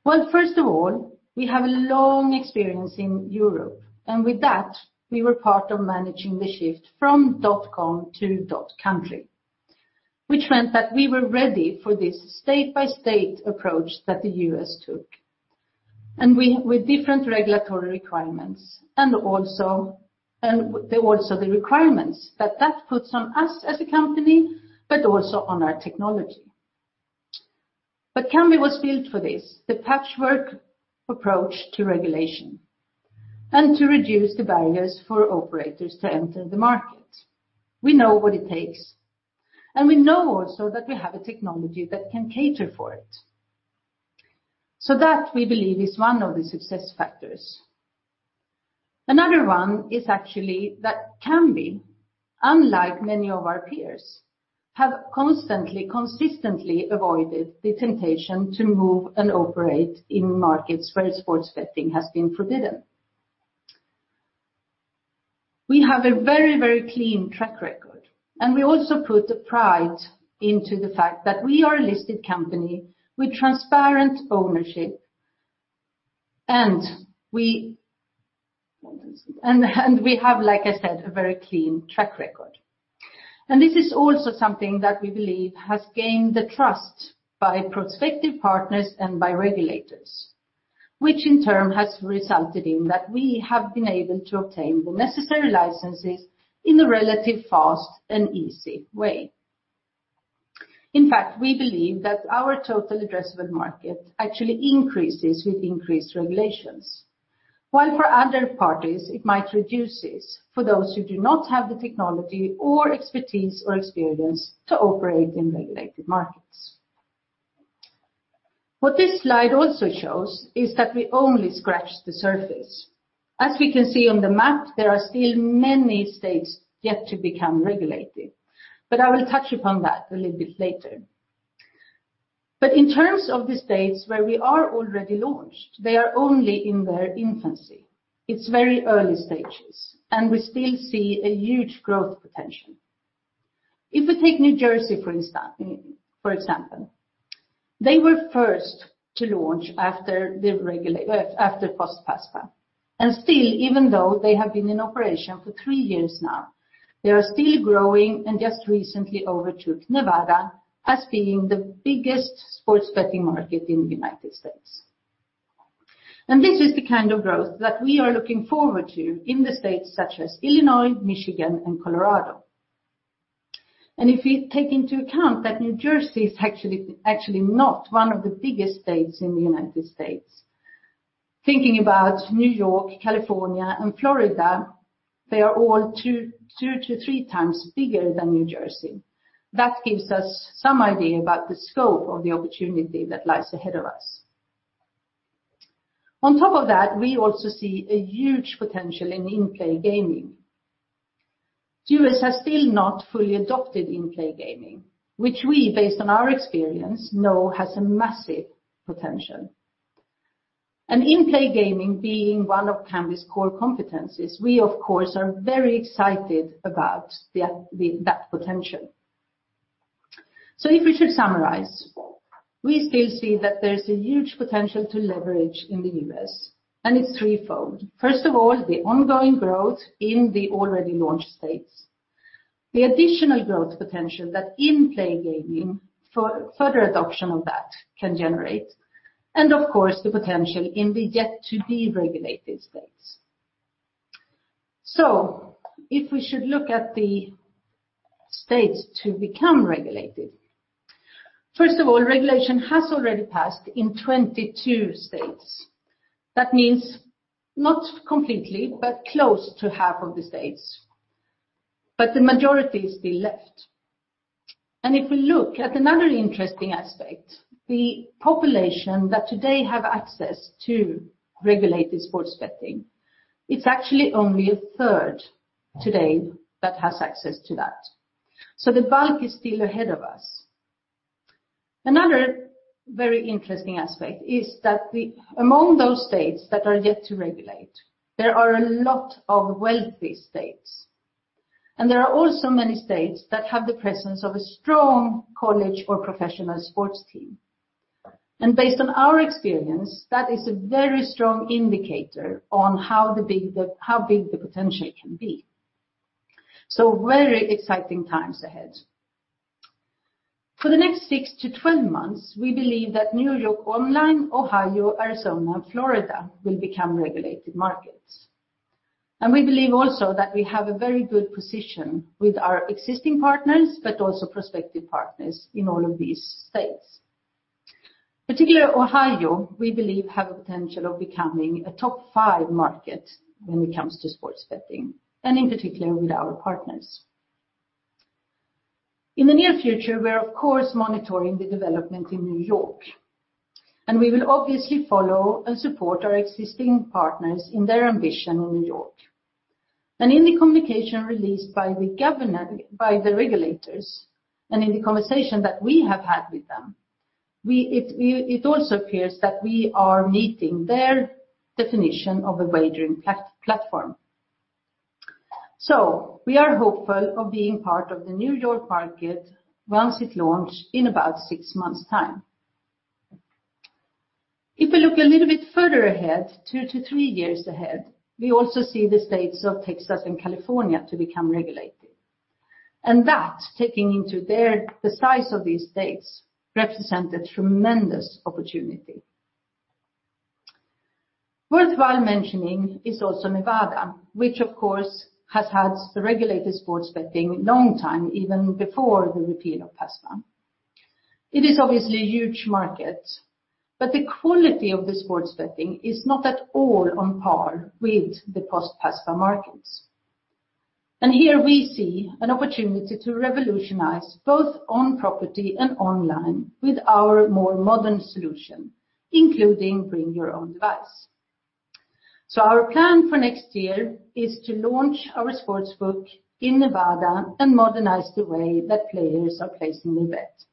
First of all, we have a long experience in Europe, and with that, we were part of managing the shift from dotcom to .country, which meant that we were ready for this state-by-state approach that the U.S. took and with different regulatory requirements and also the requirements that puts on us as a company, but also on our technology. Kambi was built for this, the patchwork approach to regulation and to reduce the barriers for operators to enter the market. We know what it takes, and we know also that we have a technology that can cater for it. That, we believe, is one of the success factors. Another one is actually that Kambi, unlike many of our peers, have constantly, consistently avoided the temptation to move and operate in markets where sports betting has been forbidden. We have a very clean track record, and we also put a pride into the fact that we are a listed company with transparent ownership and we have, like I said, a very clean track record. This is also something that we believe has gained the trust by prospective partners and by regulators, which in turn has resulted in that we have been able to obtain the necessary licenses in a relatively fast and easy way. In fact, we believe that our total addressable market actually increases with increased regulations. While for other parties, it might reduce this for those who do not have the technology or expertise or experience to operate in regulated markets. What this slide also shows is that we only scratched the surface. As we can see on the map, there are still many states yet to become regulated. I will touch upon that a little bit later. In terms of the states where we are already launched, they are only in their infancy. It is very early stages, and we still see a huge growth potential. If you take New Jersey, for example, they were first to launch after PASPA. Still, even though they have been in operation for three years now, they are still growing and just recently overtook Nevada as being the biggest sports betting market in the U.S. This is the kind of growth that we are looking forward to in the states such as Illinois, Michigan, and Colorado. If you take into account that New Jersey is actually not one of the biggest states in the U.S., thinking about New York, California, and Florida, they are all two to threee times bigger than New Jersey. That gives us some idea about the scope of the opportunity that lies ahead of us. On top of that, we also see a huge potential in in-play gaming. U.S. has still not fully adopted in-play gaming, which we, based on our experience, know has a massive potential. In-play gaming being one of Kambi's core competencies, we of course, are very excited about that potential. If we should summarize, we still see that there's a huge potential to leverage in the U.S., and it's threefold. First of all, the ongoing growth in the already launched states. The additional growth potential that in-play gaming for further adoption of that can generate, and of course, the potential in the yet-to-be-regulated states. If we should look at the states to become regulated, first of all, regulation has already passed in 22 states. That means not completely, but close to half of the states, but the majority is still left. If we look at another interesting aspect, the population that today have access to regulated sports betting, it is actually only a third today that has access to that. The bulk is still ahead of us. Another very interesting aspect is that among those states that are yet to regulate, there are a lot of wealthy states, and there are also many states that have the presence of a strong college or professional sports team. Based on our experience, that is a very strong indicator on how big the potential can be. Very exciting times ahead. For the next six to 12 months, we believe that New York online, Ohio, Arizona, and Florida will become regulated markets. We believe also that we have a very good position with our existing partners, but also prospective partners in all of these states. Particularly Ohio, we believe, have the potential of becoming a top five market when it comes to sports betting, and in particular with our partners. In the near future, we are, of course, monitoring the development in New York. We will obviously follow and support our existing partners in their ambition in New York. In the communication released by the regulators and in the conversation that we have had with them, it also appears that we are meeting their definition of a wagering platform. We are hopeful of being part of the New York market once it launched in about six months time. If we look a little bit further ahead, two to three years ahead, we also see the states of Texas and California to become regulated. That, taking into the size of these states, represent a tremendous opportunity. Worthwhile mentioning is also Nevada, which of course, has had regulated sports betting long time, even before the repeal of PASPA. It is obviously a huge market, but the quality of the sports betting is not at all on par with the post-PASPA markets. Here we see an opportunity to revolutionize both on-property and online with our more modern solution, including bring your own device. Our plan for next year is to launch our sportsbook in Nevada and modernize the way that players are placing a bet.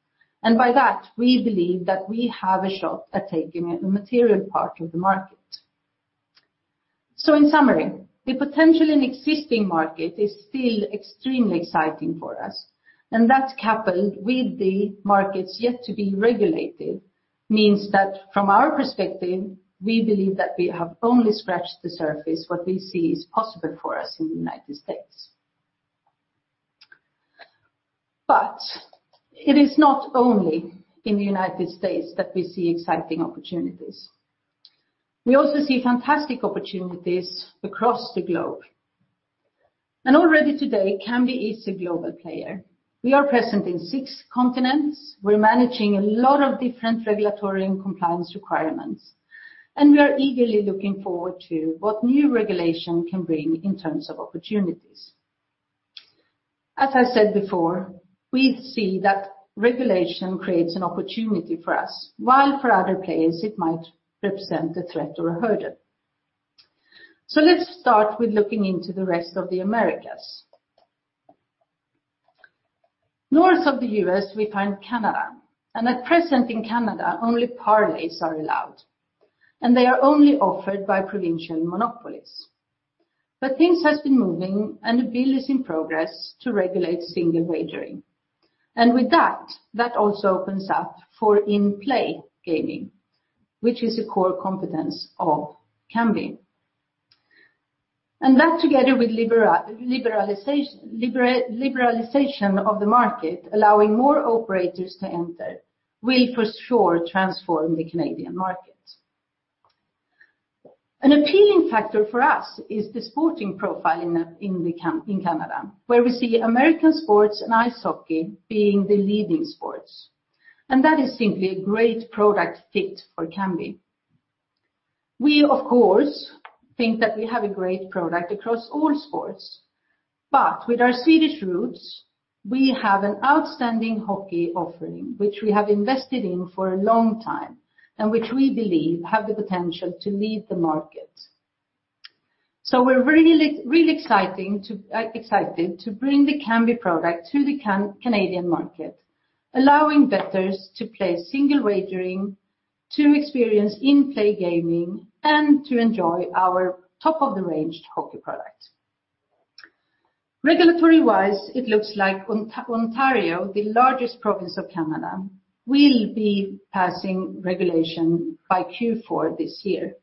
By that, we believe that we have a shot at taking a material part of the market. In summary, the potential in existing market is still extremely exciting for us, and that coupled with the markets yet to be regulated means that from our perspective, we believe that we have only scratched the surface what we see is possible for us in the United States. It is not only in the United States that we see exciting opportunities. We also see fantastic opportunities across the globe. Already today, Kambi is a global player. We are present in six continents. We are managing a lot of different regulatory and compliance requirements, and we are eagerly looking forward to what new regulation can bring in terms of opportunities. As I said before, we see that regulation creates an opportunity for us, while for other players, it might represent a threat or a hurdle. Let's start with looking into the rest of the Americas. North of the U.S., we find Canada. At present in Canada, only parlays are allowed. They are only offered by provincial monopolies. Things have been moving. A bill is in progress to regulate single wagering. With that also opens up for in-play gaming, which is a core competence of Kambi. That, together with liberalization of the market, allowing more operators to enter, will for sure transform the Canadian market. An appealing factor for us is the sporting profile in Canada, where we see American sports and ice hockey being the leading sports. That is simply a great product fit for Kambi. We of course, think that we have a great product across all sports. With our Swedish roots, we have an outstanding hockey offering, which we have invested in for a long time and which we believe have the potential to lead the market. We are really excited to bring the Kambi product to the Canadian market, allowing bettors to place single wagering, to experience in-play gaming, and to enjoy our top-of-the-range hockey product. Regulatory-wise, it looks like Ontario, the largest province of Canada, will be passing regulation by Q4 this year.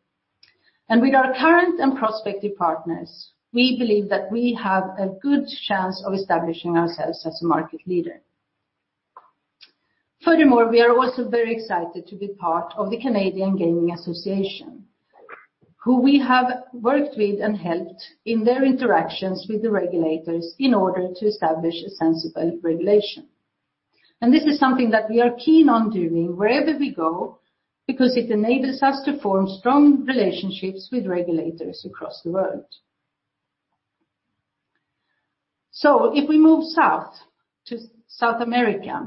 With our current and prospective partners, we believe that we have a good chance of establishing ourselves as a market leader. Furthermore, we are also very excited to be part of the Canadian Gaming Association, who we have worked with and helped in their interactions with the regulators in order to establish a sensible regulation. This is something that we are keen on doing wherever we go because it enables us to form strong relationships with regulators across the world. If we move south to South America,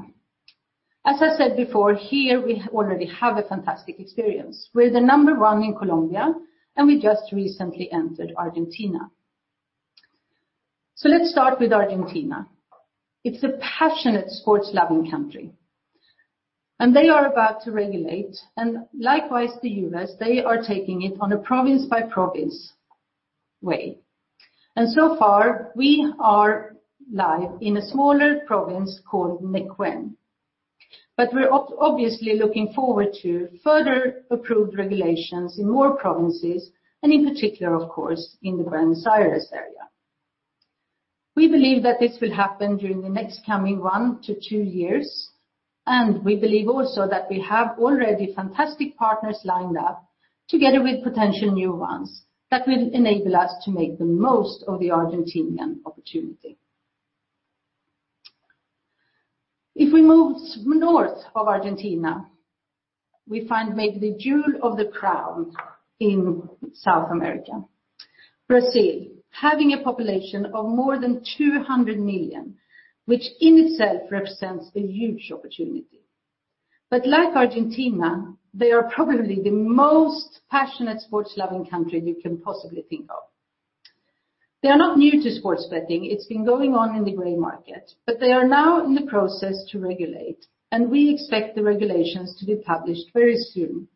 as I said before, here we already have a fantastic experience. We are the number one in Colombia, and we just recently entered Argentina. Let's start with Argentina. It is a passionate, sports-loving country, and they are about to regulate, and likewise the U.S., they are taking it on a province-by-province way. So far, we are live in a smaller province called Neuquén. We are obviously looking forward to further approved regulations in more provinces, and in particular, of course, in the Buenos Aires area. We believe that this will happen during the next coming one to two years, and we believe also that we have already fantastic partners lined up together with potential new ones that will enable us to make the most of the Argentinian opportunity. If we move north of Argentina, we find maybe the jewel of the crown in South America. Brazil, having a population of more than 200 million, which in itself represents a huge opportunity. Like Argentina, they are probably the most passionate sports-loving country you can possibly think of. They are not new to sports betting. It's been going on in the gray market, but they are now in the process to regulate, and we expect the regulations to be published very soon,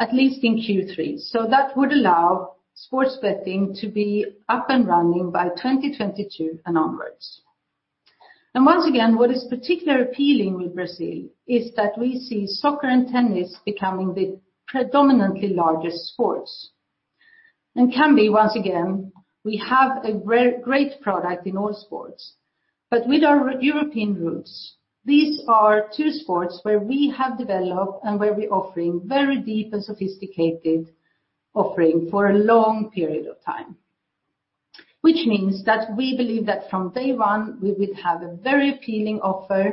at least in Q3. That would allow sports betting to be up and running by 2022 and onwards. Once again, what is particularly appealing with Brazil is that we see soccer and tennis becoming the predominantly largest sports. In Kambi, once again, we have a great product in all sports, but with our European roots, these are two sports where we have developed and where we're offering very deep and sophisticated offering for a long period of time. Which means that we believe that from day one, we would have a very appealing offer,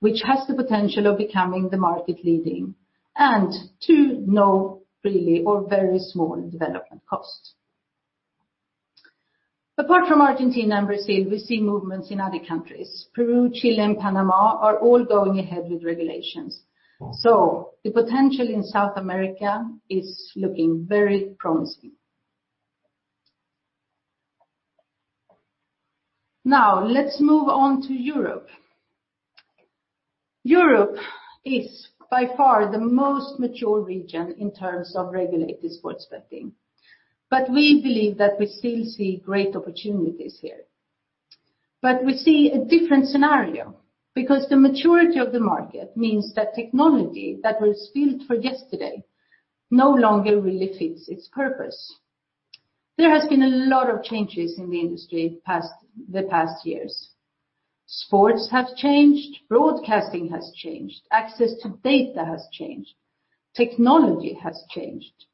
which has the potential of becoming the market-leading, and to no really or very small development cost. Apart from Argentina and Brazil, we see movements in other countries. Peru, Chile, and Panama are all going ahead with regulations. The potential in South America is looking very promising. Let's move on to Europe. Europe is by far the most mature region in terms of regulated sports betting, but we believe that we still see great opportunities here. We see a different scenario because the maturity of the market means that technology that was built for yesterday, no longer really fits its purpose. There has been a lot of changes in the industry the past years. Sports have changed, broadcasting has changed, access to data has changed, technology has changed,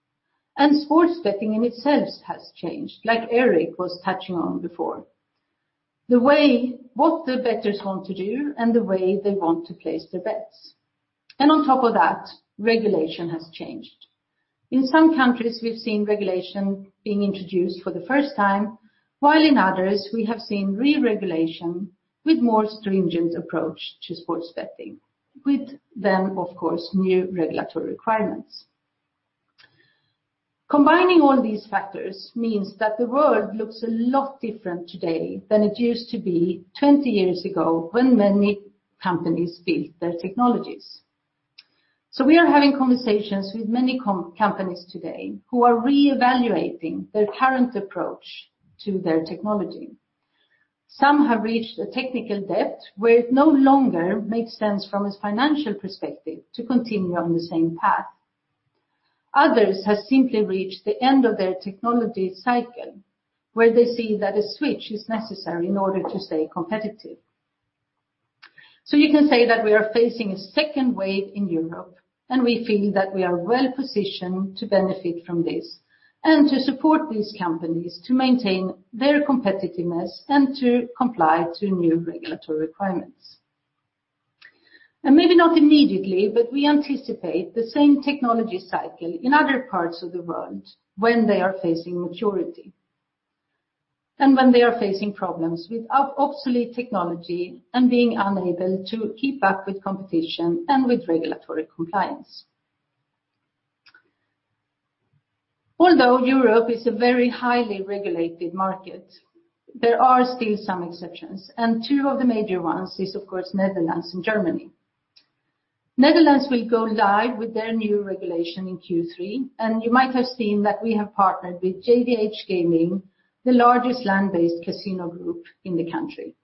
and sports betting in itself has changed, like Erik was touching on before, what the bettors want to do and the way they want to place their bets. On top of that, regulation has changed. In some countries, we've seen regulation being introduced for the first time, while in others, we have seen re-regulation with more stringent approach to sports betting, with then, of course, new regulatory requirements. Combining all these factors means that the world looks a lot different today than it used to be 20 years ago when many companies built their technologies. We are having conversations with many companies today who are reevaluating their current approach to their technology. Some have reached a technical debt where it no longer makes sense from a financial perspective to continue on the same path. Others have simply reached the end of their technology cycle, where they see that a switch is necessary in order to stay competitive. You can say that we are facing a second wave in Europe, and we feel that we are well-positioned to benefit from this and to support these companies to maintain their competitiveness and to comply to new regulatory requirements. Maybe not immediately, but we anticipate the same technology cycle in other parts of the world when they are facing maturity and when they are facing problems with obsolete technology and being unable to keep up with competition and with regulatory compliance. Although Europe is a very highly regulated market, there are still some exceptions, and two of the major ones is, of course, Netherlands and Germany. Netherlands will go live with their new regulation in Q3, and you might have seen that we have partnered with JVH Gaming, the largest land-based casino group in the country.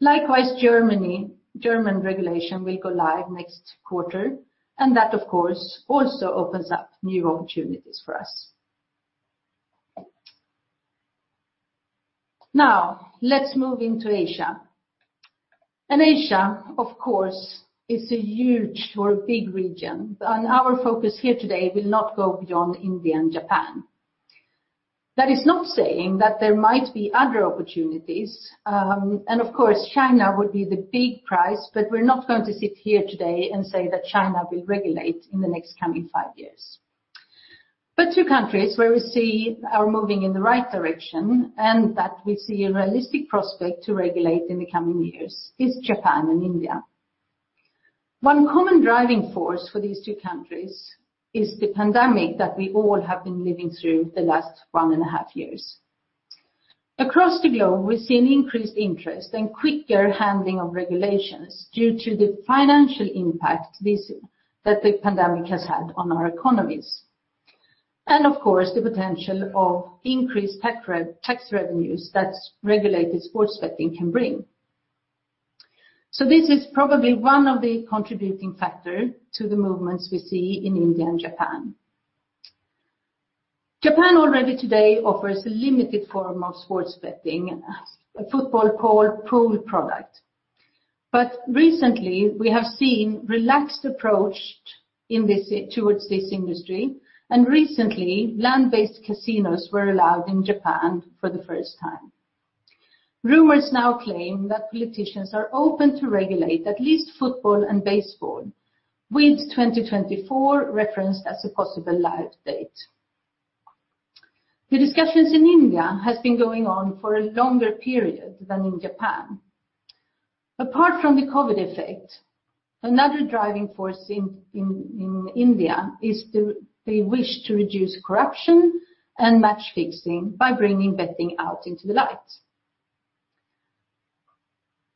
Likewise, Germany. German regulation will go live next quarter, and that, of course, also opens up new opportunities for us. Now, let's move into Asia. Asia, of course, is a huge or a big region, and our focus here today will not go beyond India and Japan. That is not saying that there might be other opportunities, and of course, China would be the big prize, but we're not going to sit here today and say that China will regulate in the next coming five years. Two countries where we see are moving in the right direction and that we see a realistic prospect to regulate in the coming years is Japan and India. One common driving force for these two countries is the pandemic that we all have been living through the last one and a half years. Across the globe, we've seen increased interest and quicker handling of regulations due to the financial impact that the pandemic has had on our economies, and of course, the potential of increased tax revenues that regulated sports betting can bring. This is probably one of the contributing factor to the movements we see in India and Japan. Japan already today offers a limited form of sports betting as a football parlay pool product. Recently, we have seen relaxed approach towards this industry, and recently, land-based casinos were allowed in Japan for the first time. Rumors now claim that politicians are open to regulate at least football and baseball, with 2024 referenced as a possible live date. The discussions in India has been going on for a longer period than in Japan. Apart from the COVID effect, another driving force in India is they wish to reduce corruption and match-fixing by bringing betting out into the light.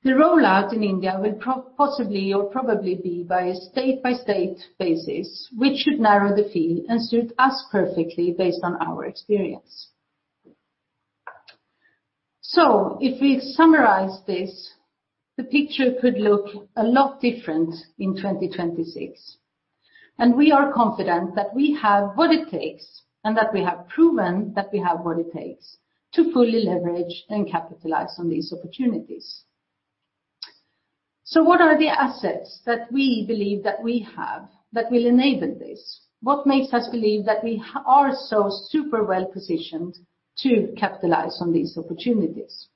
The rollout in India will possibly or probably be by a state-by-state basis, which should narrow the field and suit us perfectly based on our experience. If we summarize this, the picture could look a lot different in 2026, and we are confident that we have what it takes and that we have proven that we have what it takes to fully leverage and capitalize on these opportunities. What are the assets that we believe that we have that will enable this? What makes us believe that we are so super well-positioned to capitalize on these opportunities?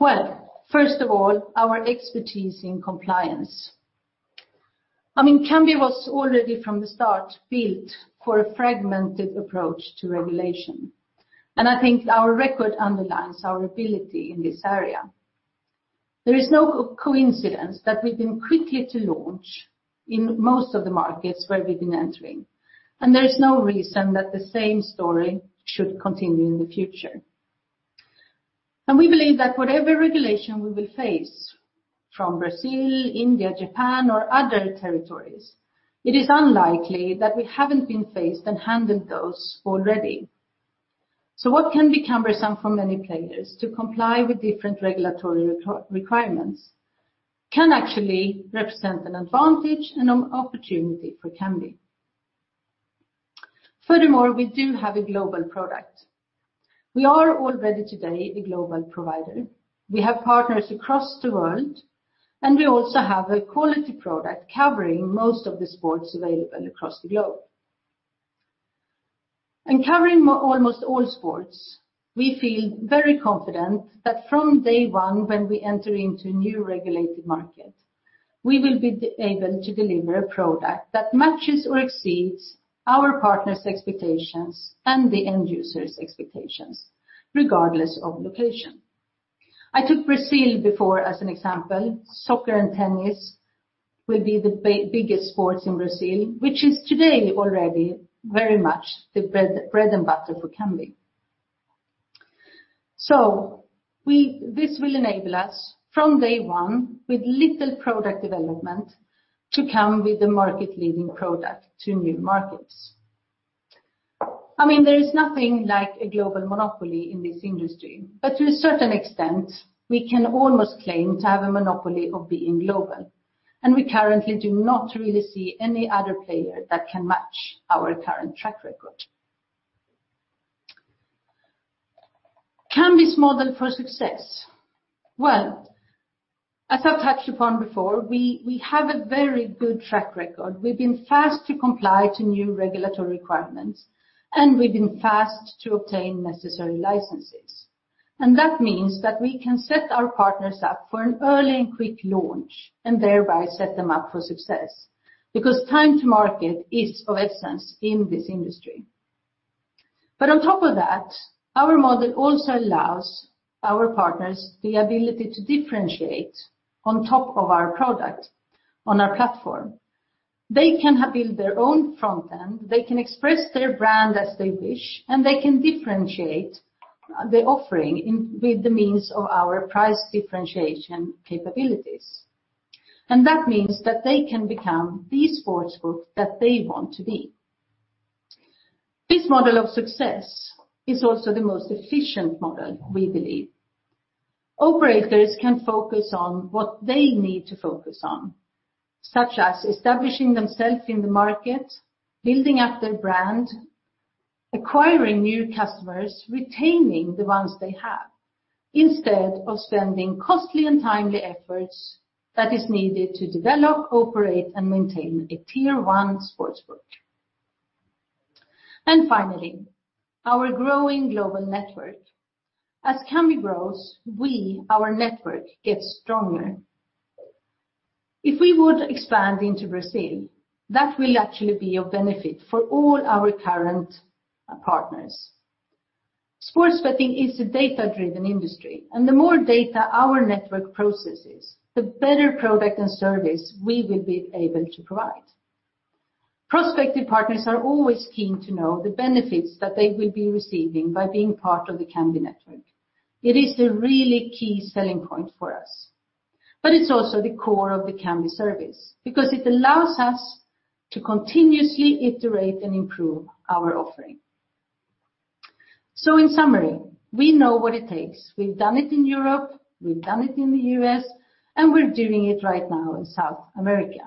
Well, first of all, our expertise in compliance. Kambi was already from the start built for a fragmented approach to regulation, and I think our record underlines our ability in this area. There is no coincidence that we've been quicker to launch in most of the markets where we've been entering, and there's no reason that the same story should continue in the future. We believe that whatever regulation we will face from Brazil, India, Japan, or other territories, it is unlikely that we haven't been faced and handled those already. What can be cumbersome for many players to comply with different regulatory requirements can actually represent an advantage and an opportunity for Kambi. Furthermore, we do have a global product. We are already today a global provider. We have partners across the world, and we also have a quality product covering most of the sports available across the globe. Covering almost all sports, we feel very confident that from day one, when we enter into new regulated market, we will be able to deliver a product that matches or exceeds our partners' expectations and the end users' expectations, regardless of location. I took Brazil before as an example. Soccer and tennis will be the biggest sports in Brazil, which is today already very much the bread and butter for Kambi. This will enable us from day one with little product development to come with a market-leading product to new markets. There is nothing like a global monopoly in this industry, but to a certain extent, we can almost claim to have a monopoly of being global, and we currently do not really see any other player that can match our current track record. Kambi's model for success. Well, as I've touched upon before, we have a very good track record. We've been fast to comply to new regulatory requirements, and we've been fast to obtain necessary licenses. That means that we can set our partners up for an early and quick launch, and thereby set them up for success, because time to market is of the essence in this industry. On top of that, our model also allows our partners the ability to differentiate on top of our product on our platform. They can have built their own front-end, they can express their brand as they wish, and they can differentiate the offering with the means of our price differentiation capabilities. That means that they can become the sportsbook that they want to be. This model of success is also the most efficient model, we believe. Operators can focus on what they need to focus on, such as establishing themselves in the market, building up their brand, acquiring new customers, retaining the ones they have, instead of spending costly and timely efforts that is needed to develop, operate, and maintain a Tier 1 sportsbook. Finally, our growing global network. As Kambi grows, we, our network, gets stronger. If we would expand into Brazil, that will actually be of benefit for all our current partners. Sports betting is a data-driven industry, and the more data our network processes, the better product and service we will be able to provide. Prospective partners are always keen to know the benefits that they will be receiving by being part of the Kambi network. It is the really key selling point for us, but it's also the core of the Kambi service because it allows us to continuously iterate and improve our offering. In summary, we know what it takes. We've done it in Europe, we've done it in the U.S., we're doing it right now in South America.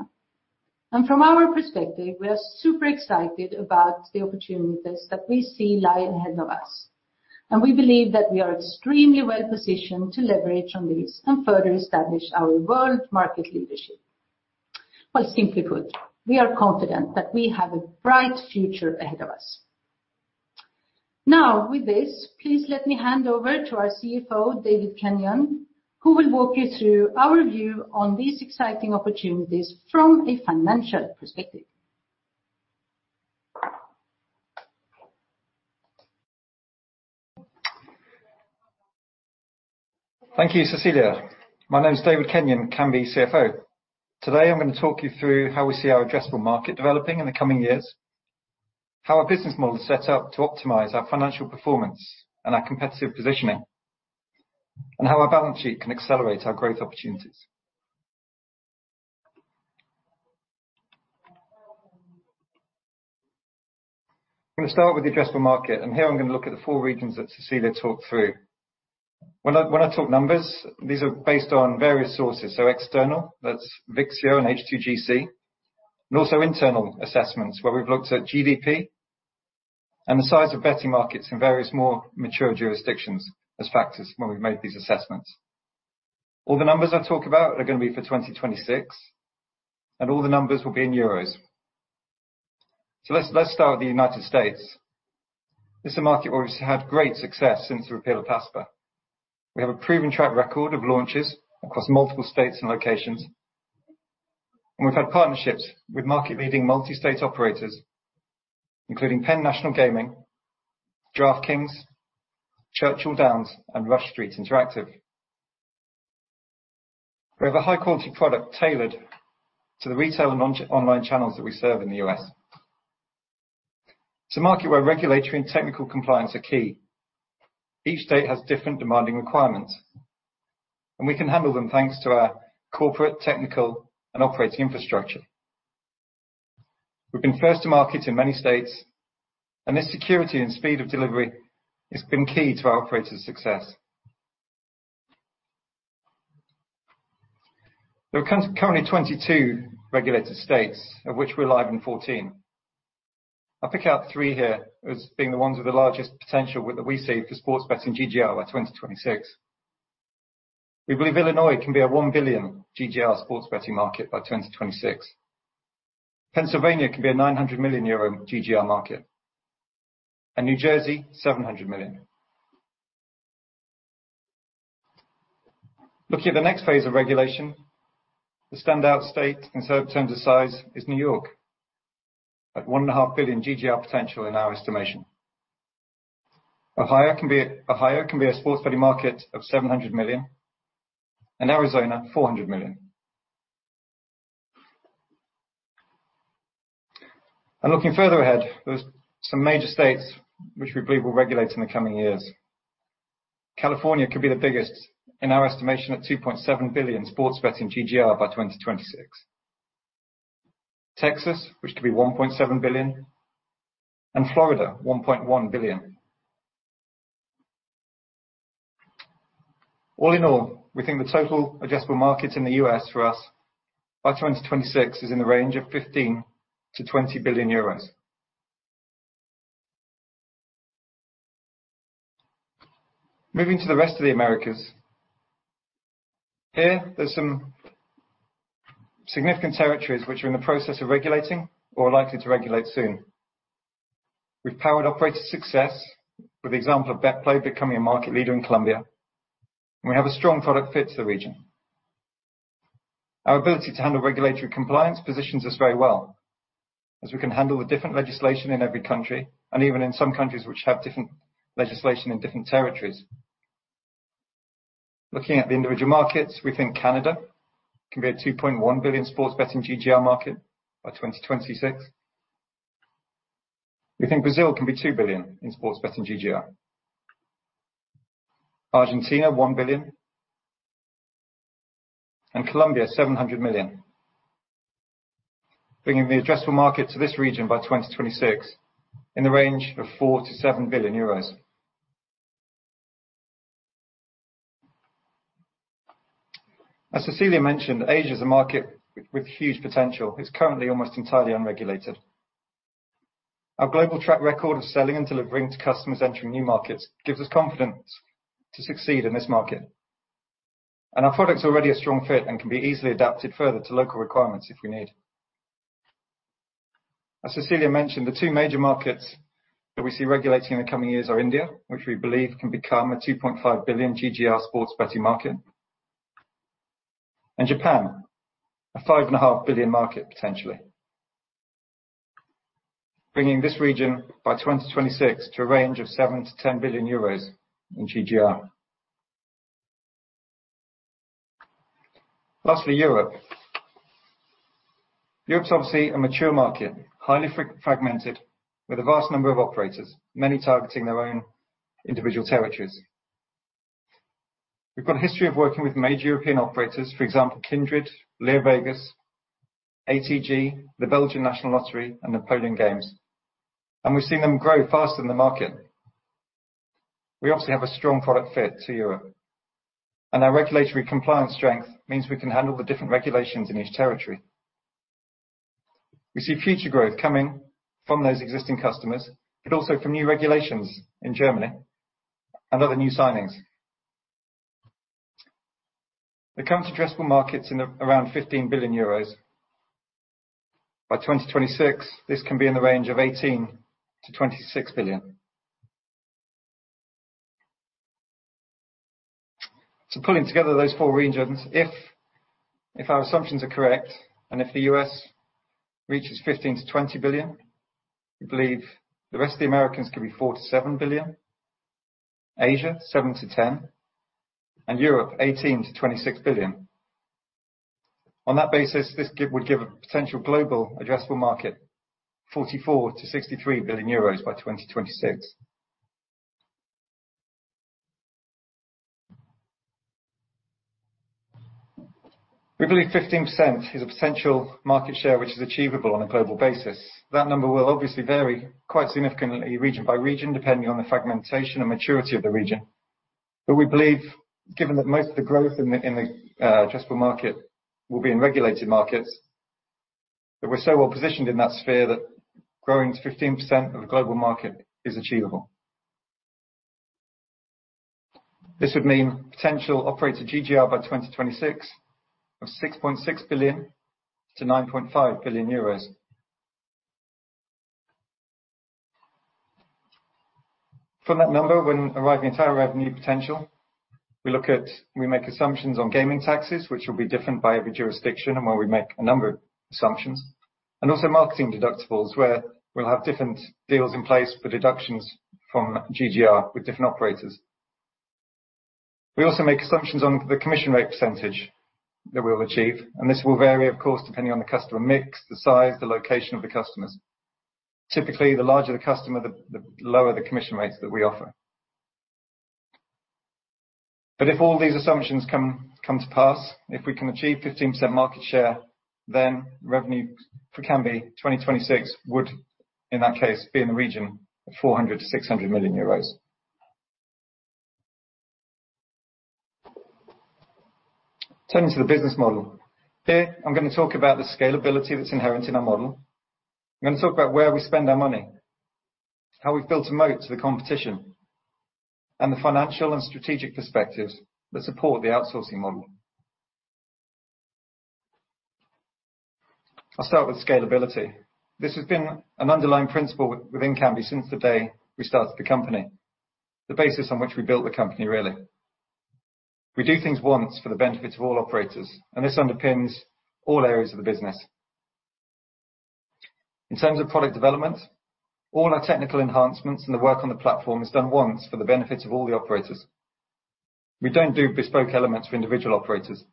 From our perspective, we are super excited about the opportunities that we see lie ahead of us. We believe that we are extremely well-positioned to leverage on this and further establish our world market leadership. Simply put, we are confident that we have a bright future ahead of us. With this, please let me hand over to our CFO, David Kenyon, who will walk you through our view on these exciting opportunities from a financial perspective. Thank you, Cecilia. My name is David Kenyon, Kambi CFO. Today, I'm going to talk you through how we see our addressable market developing in the coming years, how our business model is set up to optimize our financial performance and our competitive positioning, and how our balance sheet can accelerate our growth opportunities. We'll start with the addressable market, and here I'm going to look at the four regions that Cecilia talked through. When I talk numbers, these are based on various sources. External, that's Vixio and H2GC, and also internal assessments where we've looked at GDP and the size of betting markets in various more mature jurisdictions as factors when we've made these assessments. All the numbers I talk about are going to be for 2026 and all the numbers will be in euros. Let's start with the United States. It's a market where we've had great success since the repeal of PASPA. We have a proven track record of launches across multiple states and locations, and we've had partnerships with market-leading multi-state operators, including Penn National Gaming, DraftKings, Churchill Downs, and Rush Street Interactive. We have a high-quality product tailored to the retail and online channels that we serve in the U.S. It's a market where regulatory and technical compliance are key. Each state has different demanding requirements, and we can handle them thanks to our corporate, technical, and operating infrastructure. We've been first to market in many states, and the security and speed of delivery has been key to our operators' success. There are currently 22 regulated states, of which we're live in 14. I pick out three here as being the ones with the largest potential that we see for sports betting GGR by 2026. We believe Illinois can be a 1 billion GGR sports betting market by 2026. Pennsylvania can be a 900 million euro GGR market, and New Jersey, 700 million. Looking at the next phase of regulation, the standout state in terms of size is New York, at 1.5 billion GGR potential in our estimation. Ohio can be a sports betting market of 700 million, and Arizona, 400 million. Looking further ahead, there's some major states which we believe will regulate in the coming years. California could be the biggest, in our estimation, at 2.7 billion sports betting GGR by 2026. Texas, which could be 1.7 billion, and Florida, 1.1 billion. All in all, we think the total addressable market in the U.S. for us by 2026 is in the range of 15 billion-20 billion euros. Moving to the rest of the Americas. Here, there's some significant territories which are in the process of regulating or likely to regulate soon. We've powered operator success with the example of BetPlay becoming a market leader in Colombia, and we have a strong product fit to the region. Our ability to handle regulatory compliance positions us very well, as we can handle the different legislation in every country, and even in some countries which have different legislation in different territories. Looking at the individual markets, we think Canada can be a 2.1 billion sports betting GGR market by 2026. We think Brazil can be 2 billion in sports betting GGR. Argentina, 1 billion. Colombia, 700 million. Bringing the addressable market to this region by 2026 in the range of 4 billion-7 billion euros. As Cecilia mentioned, Asia is a market with huge potential. It's currently almost entirely unregulated. Our global track record of selling and delivering to customers entering new markets gives us confidence to succeed in this market. Our product's already a strong fit and can be easily adapted further to local requirements if we need. As Cecilia mentioned, the two major markets that we see regulating in the coming years are India, which we believe can become a 2.5 billion GGR sports betting market, and Japan, a 5.5 billion market potentially. Bringing this region by 2026 to a range of 7 billion-10 billion euros in GGR. Lastly, Europe. Europe's obviously a mature market, highly fragmented, with a vast number of operators, many targeting their own individual territories. We've got a history of working with major European operators, for example, Kindred, LeoVegas, ATG, the Belgian National Lottery, and Napoleon Games, and we're seeing them grow faster than the market. We obviously have a strong product fit to Europe, and our regulatory compliance strength means we can handle the different regulations in each territory. We see future growth coming from those existing customers, but also from new regulations in Germany and other new signings. The current addressable market is around 15 billion euros. By 2026, this can be in the range of 18 billion-26 billion. Pulling together those four regions, if our assumptions are correct and if the U.S. reaches 15 billion-20 billion, we believe the rest of the Americas can be 4 billion-7 billion, Asia, 7 billion-10 billion, and Europe, 18 billion-26 billion. On that basis, this would give a potential global addressable market 44 billion-63 billion euros by 2026. We believe 15% is a potential market share which is achievable on a global basis. That number will obviously vary quite significantly region by region, depending on the fragmentation and maturity of the region. We believe, given that most of the growth in the addressable market will be in regulated markets, that we're so well-positioned in that sphere that growing to 15% of the global market is achievable. This would mean potential operator GGR by 2026 of EUR 6.6 billion-EUR 9.5 billion. From that number, when arriving at our revenue potential, we make assumptions on gaming taxes, which will be different by every jurisdiction and where we make a number of assumptions, and also marketing deductibles, where we'll have different deals in place for deductions from GGR with different operators. We also make assumptions on the commission rate percentage that we'll achieve, and this will vary, of course, depending on the customer mix, the size, the location of the customers. Typically, the larger the customer, the lower the commission rates that we offer. If all these assumptions come to pass, if we can achieve 15% market share, then revenue for Kambi 2026 would, in that case, be in the region of 400 million-600 million euros. Turning to the business model. Here, I'm going to talk about the scalability that's inherent in our model. I'm going to talk about where we spend our money, how we've built a moat to the competition, and the financial and strategic perspectives that support the outsourcing model. I'll start with scalability. This has been an underlying principle within Kambi since the day we started the company, the basis on which we built the company, really. We do things once for the benefit of all operators, and this underpins all areas of the business. In terms of product development, all our technical enhancements and the work on the platform is done once for the benefit of all the operators. We don't do bespoke elements for individual operators.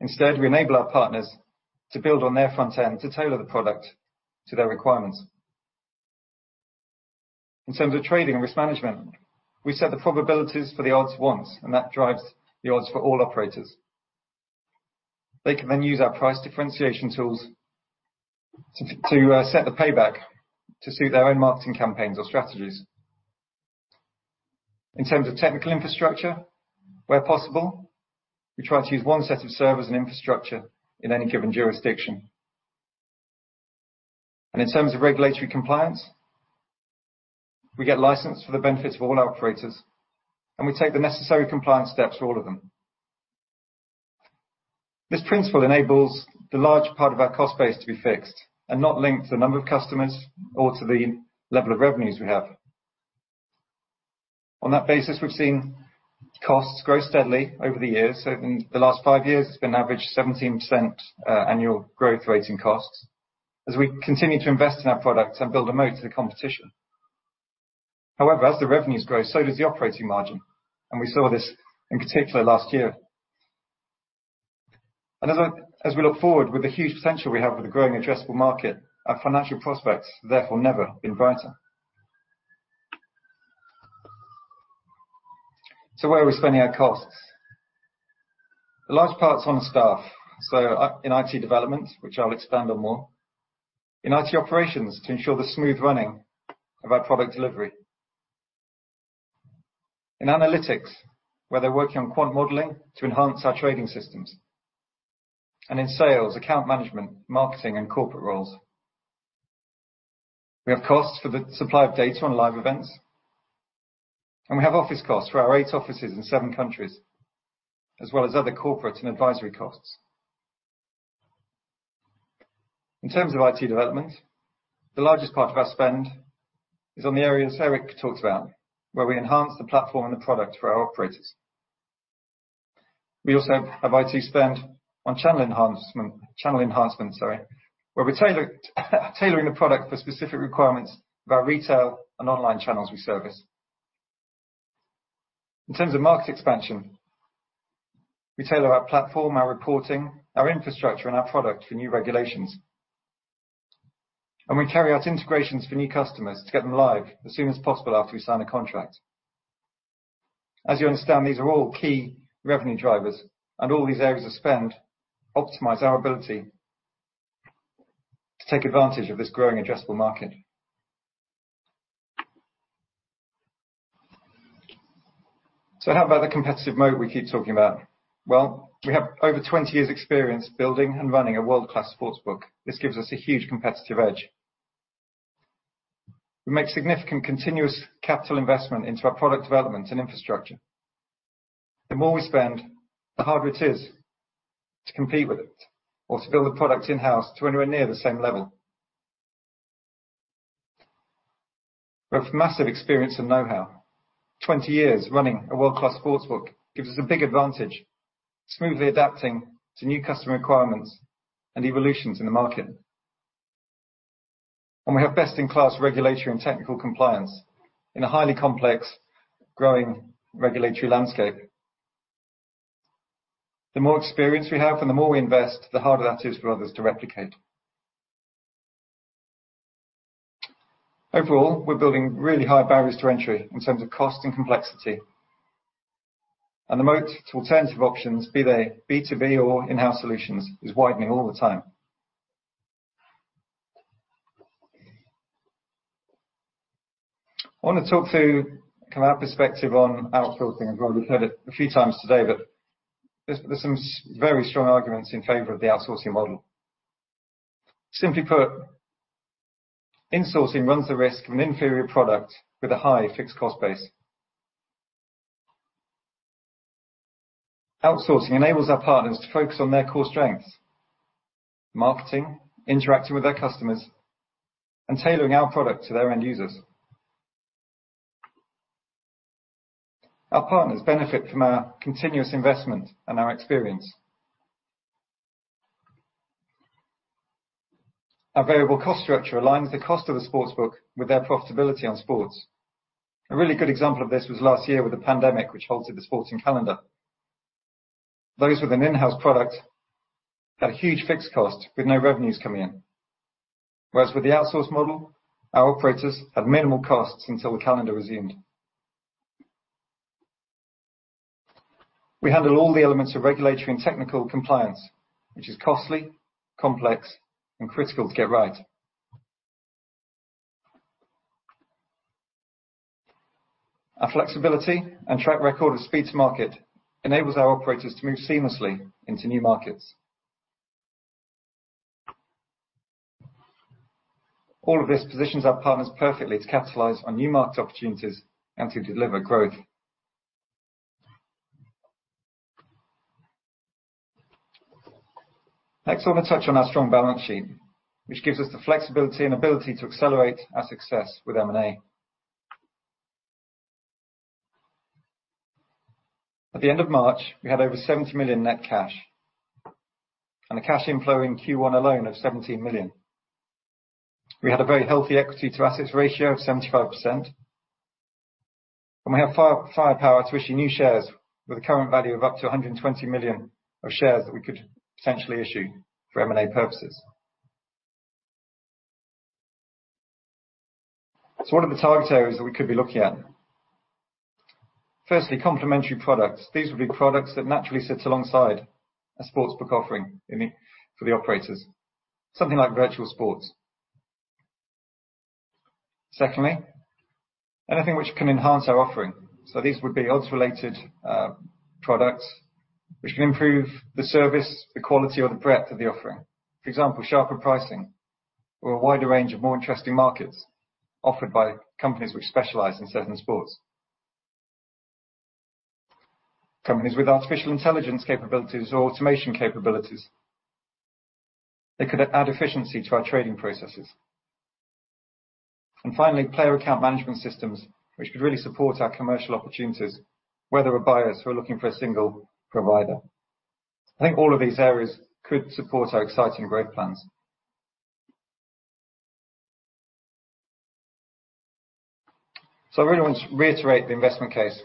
Instead, we enable our partners to build on their front end to tailor the product to their requirements. In terms of trading risk management, we set the probabilities for the odds once, and that drives the odds for all operators. They can then use our price differentiation tools to set the payback to suit their own marketing campaigns or strategies. In terms of technical infrastructure, where possible, we try to use one set of servers and infrastructure in any given jurisdiction. In terms of regulatory compliance, we get licensed for the benefit of all our operators, and we take the necessary compliance steps for all of them. This principle enables the large part of our cost base to be fixed and not linked to the number of customers or to the level of revenues we have. On that basis, we've seen costs grow steadily over the years. In the last five years, it's been an average of 17% annual growth rate in costs as we continue to invest in our product and build a moat to the competition. However, as the revenues grow, so does the operating margin, and we saw this in particular last year. As we look forward, with the huge potential we have with a growing addressable market, our financial prospects have therefore never been brighter. Where are we spending our costs? A large part's on staff, so in IT development, which I'll expand on more. In IT operations, to ensure the smooth running of our product delivery. In analytics, where they're working on quant modeling to enhance our trading systems. In sales, account management, marketing, and corporate roles. We have costs for the supply of data on live events, and we have office costs for our eight offices in seven countries, as well as other corporate and advisory costs. In terms of IT development, the largest part of our spend is on the areas Erik talked about, where we enhance the platform and the product for our operators. We also have IT spend on channel enhancement, where we're tailoring the product for specific requirements of our retail and online channels we service. In terms of market expansion, we tailor our platform, our reporting, our infrastructure, and our product for new regulations. We carry out integrations for new customers to get them live as soon as possible after we sign a contract. As you understand, these are all key revenue drivers, all these areas of spend optimize our ability to take advantage of this growing addressable market. How about the competitive moat we keep talking about? Well, we have over 20 years' experience building and running a world-class sports book. This gives us a huge competitive edge. We make significant continuous capital investment into our product development and infrastructure. The more we spend, the harder it is to compete with it or to build a product in-house to anywhere near the same level. We have massive experience and know-how. Twenty years running a world-class sports book gives us a big advantage, smoothly adapting to new customer requirements and evolutions in the market. We have best-in-class regulatory and technical compliance in a highly complex, growing regulatory landscape. The more experience we have and the more we invest, the harder that is for others to replicate. Overall, we're building really high barriers to entry in terms of cost and complexity. The moat to alternative options, be they B2B or in-house solutions, is widening all the time. I want to talk to our perspective on outsourcing. I know we've heard it a few times today, but there's some very strong arguments in favor of the outsourcing model. Simply put, insourcing runs the risk of an inferior product with a high fixed cost base. Outsourcing enables our partners to focus on their core strengths, marketing, interacting with their customers, and tailoring our product to their end users. Our partners benefit from our continuous investment and our experience. Our variable cost structure aligns the cost of the sports book with their profitability on sports. A really good example of this was last year with the pandemic, which halted the sporting calendar. Those with an in-house product had a huge fixed cost with no revenues coming in. With the outsource model, our operators had minimal costs until the calendar resumed. We handle all the elements of regulatory and technical compliance, which is costly, complex, and critical to get right. Our flexibility and track record of speed to market enables our operators to move seamlessly into new markets. All of this positions our partners perfectly to capitalize on new market opportunities and to deliver growth. I want to touch on our strong balance sheet, which gives us the flexibility and ability to accelerate our success with M&A. At the end of March, we had over 70 million net cash and a cash inflow in Q1 alone of 17 million. We had a very healthy equity to assets ratio of 75%, and we have firepower to issue new shares with a current value of up to 120 million of shares that we could potentially issue for M&A purposes. What are the target areas we could be looking at? Firstly, complementary products. These would be products that naturally sit alongside a sportsbook offering for the operators, something like virtual sports. Secondly, anything which can enhance our offering. These would be odds-related products which can improve the service, the quality, or the breadth of the offering. For example, sharper pricing or a wider range of more interesting markets offered by companies which specialize in certain sports. Companies with artificial intelligence capabilities or automation capabilities. They could add efficiency to our trading processes. Finally, player account management systems, which could really support our commercial opportunities, whether we're buyers who are looking for a single provider. I think all of these areas could support our exciting growth plans. I really want to reiterate the investment case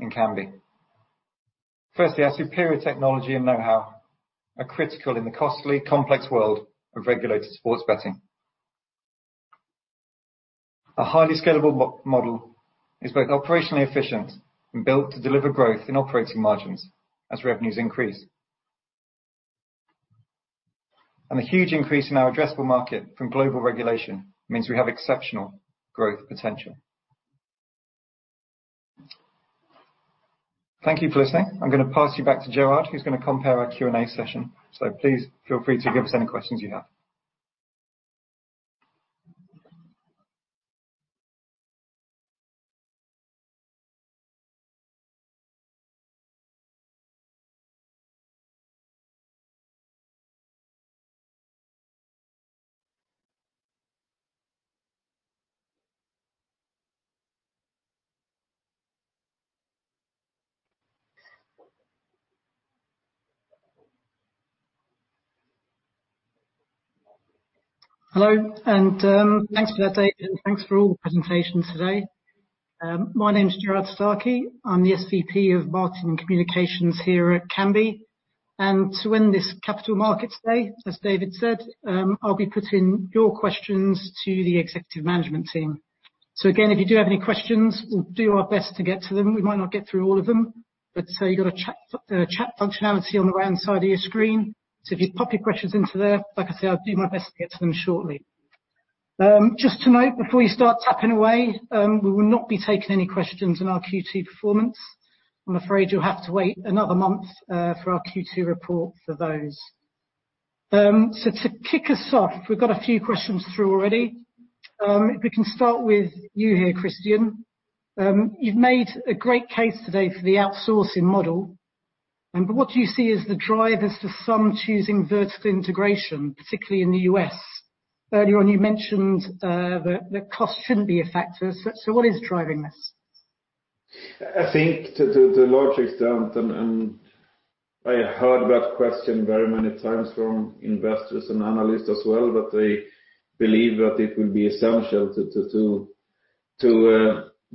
in Kambi. Firstly, our superior technology and know-how are critical in the costly, complex world of regulated sports betting. Our highly scalable model is both operationally efficient and built to deliver growth in our operating margins as revenues increase. A huge increase in our addressable market from global regulation means we have exceptional growth potential. Thank you for listening. I'm going to pass you back to Gerard, who's going to compare our Q&A session. Please feel free to give us any questions you have. Hello, and thanks for the update and thanks for all the presentations today. My name is Gerard Starkey. I'm the SVP of Marketing and Communications here at Kambi. To end this Capital Market Day, as David said, I'll be putting your questions to the executive management team. Again, if you do have any questions, we'll do our best to get to them. We might not get through all of them, but there's a chat functionality on the right side of your screen. If you pop your questions into there, like I said, I'll do my best to get to them shortly. Just to note, before you start typing away, we will not be taking any questions on our Q2 performance. I'm afraid you'll have to wait another one month for our Q2 report for those. To kick us off, we've got a few questions through already. If we can start with you here, Kristian. You've made a great case today for the outsourcing model. What do you see as the drivers to some choosing vertical integration, particularly in the U.S.? Earlier on you mentioned that cost shouldn't be a factor, so what is driving this? I think to the large extent, and I heard that question very many times from investors and analysts as well, that they believe that it will be essential to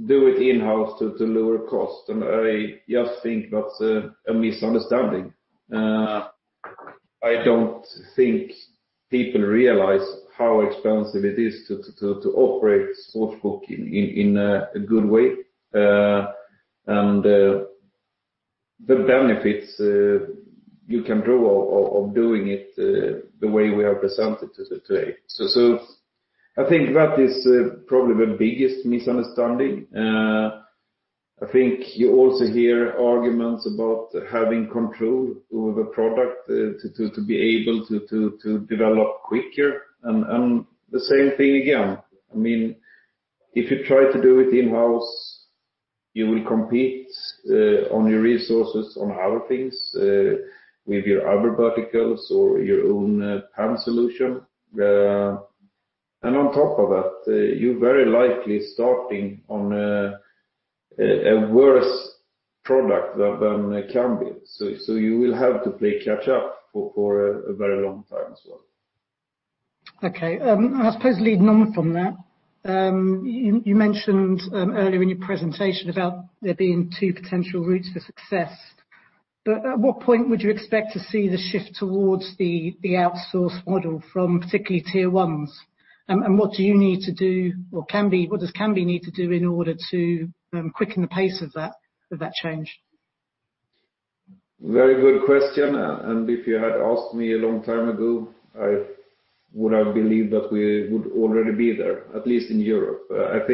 do it in-house to deliver cost. I just think that's a misunderstanding. I don't think people realize how expensive it is to operate a sportsbook in a good way, and the benefits you can draw of doing it the way we have presented it today. I think that is probably the biggest misunderstanding. I think you also hear arguments about having control over the product to be able to develop quicker. The same thing again, if you try to do it in-house, you will compete on your resources on other things, with your other verticals or your own PAM solution. On top of that, you're very likely starting on a worse product than Kambi. You will have to play catch up for a very long time as well. Okay. I suppose leading on from that, you mentioned earlier in your presentation about there being two potential routes to success. At what point would you expect to see the shift towards the outsource model from particularly Tier 1s? What do you need to do, or what does Kambi need to do in order to quicken the pace of that change? Very good question. If you had asked me a long time ago, I would have believed that we would already be there, at least in Europe. I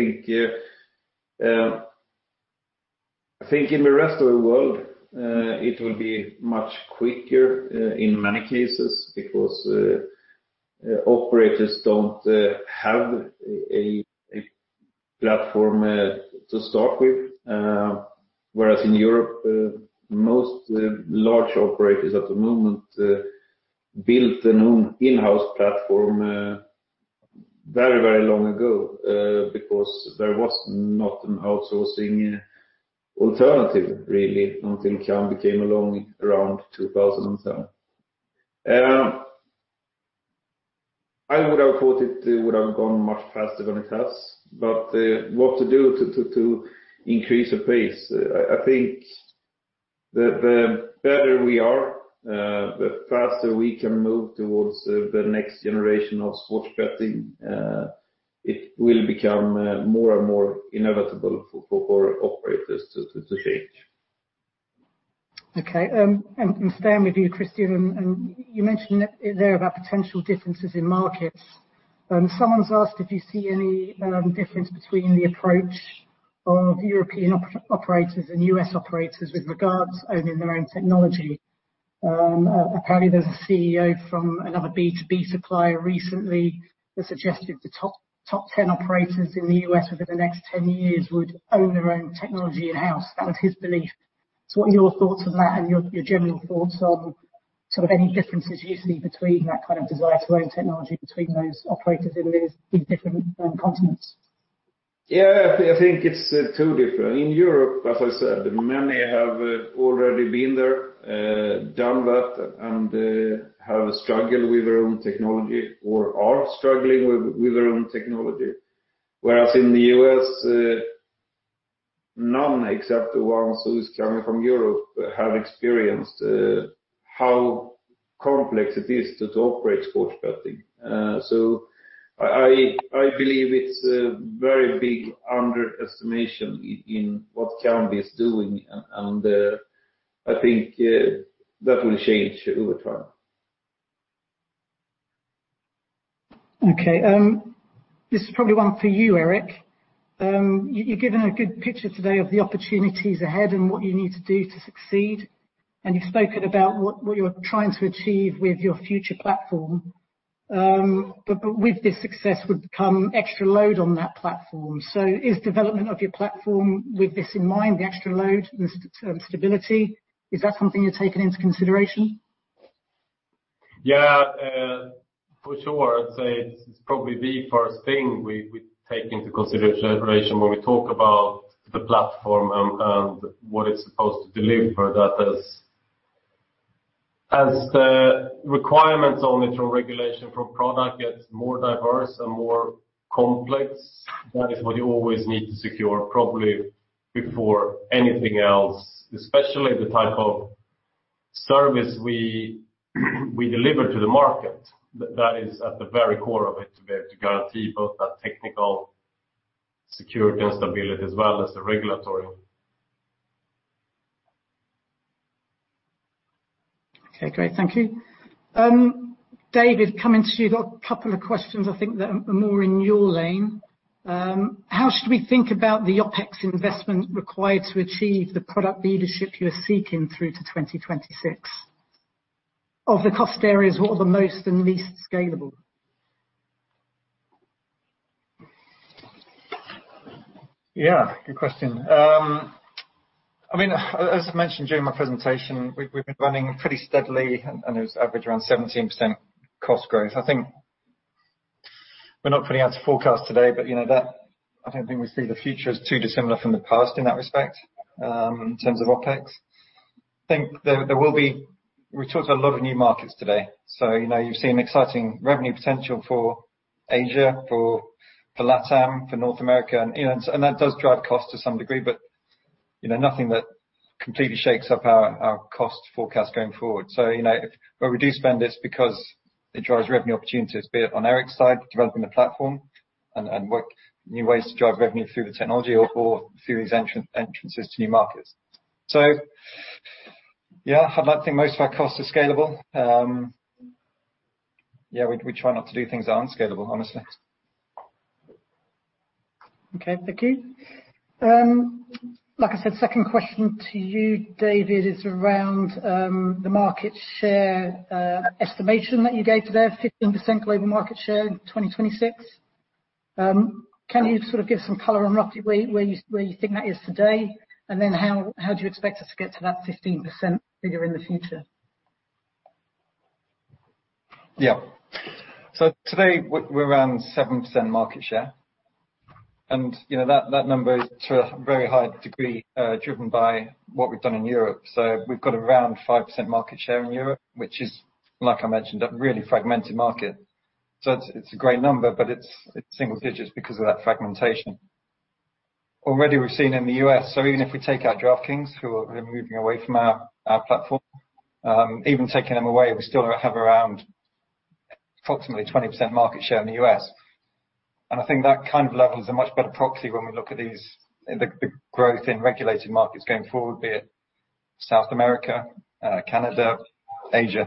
think in the rest of the world, it will be much quicker in many cases because operators don't have a platform to start with. In Europe, most large operators at the moment built an in-house platform very long ago, because there was not an outsourcing alternative really until Kambi came along around 2007. I would have thought it would have gone much faster than it has. What to do to increase the pace? I think the better we are, the faster we can move towards the next generation of sports betting. It will become more and more inevitable for operators to change. Okay. Staying with you, Kristian, you mentioned there about potential differences in markets. Someone's asked if you see any difference between the approach of European operators and U.S. operators with regards to owning their own technology. Apparently, there's a CEO from another B2B supplier recently that suggested the top 10 operators in the U.S. over the next 10 years would own their own technology in-house. That was his belief. What are your thoughts on that and your general thoughts on any differences you see between that kind of desire to own technology between those operators in the different continents? I think it's two different. In Europe, as I said, many have already been there, done that, and have struggled with their own technology or are struggling with their own technology. Whereas in the U.S. None, except the ones who is coming from Europe have experienced how complex it is to operate sports betting. I believe it's a very big underestimation in what Kambi is doing, and I think that will change over time. Okay. This is probably one for you, Erik. You've given a good picture today of the opportunities ahead and what you need to do to succeed, and you've spoken about what you're trying to achieve with your future platform. With this success would come extra load on that platform. Is development of your platform with this in mind, the extra load and stability, is that something you're taking into consideration? Yeah, for sure. I'd say it's probably the first thing we take into consideration when we talk about the platform and what it's supposed to deliver. That is, as the requirements on it from regulation, from product gets more diverse and more complex, that is what you always need to secure probably before anything else, especially the type of service we deliver to the market. That is at the very core of it, to be able to guarantee both that technical security and stability as well as the regulatory. Okay, great. Thank you. David, coming to you, got a couple of questions I think that are more in your lane. How should we think about the OpEx investment required to achieve the product leadership you're seeking through to 2026? Of the cost areas, what are the most and least scalable? Yeah, good question. As I mentioned during my presentation, we've been running fairly steadily, and it's averaged around 17% cost growth. I think we're not putting out a forecast today, but I don't think we see the future as too dissimilar from the past in that respect, in terms of OpEx. We've talked a lot of new markets today, so you've seen exciting revenue potential for Asia, for LATAM, for North America, and that does drive cost to some degree, but nothing that completely shakes up our cost forecast going forward. We do spend this because it drives revenue opportunities, be it on Erik's side, developing the platform and work new ways to drive revenue through the technology or through these entrances to new markets. Yeah, I think most of our costs are scalable. We try not to do things that aren't scalable, honestly. Okay, thank you. Like I said, second question to you, David, is around the market share estimation that you gave today of 15% global market share in 2026. Can you sort of give some color on roughly where you think that is today, and then how do you expect us to get to that 15% figure in the future? Today we're around 7% market share, and that number is to a very high degree driven by what we've done in Europe. We've got around 5% market share in Europe, which is, like I mentioned, a really fragmented market. It's a great number, but it's single digits because of that fragmentation. Already we've seen in the U.S., so even if we take out DraftKings, who are moving away from our platform even taking them away, we still have around approximately 20% market share in the U.S. I think that kind of level is a much better proxy when we look at these, the growth in regulated markets going forward, be it South America, Canada, Asia.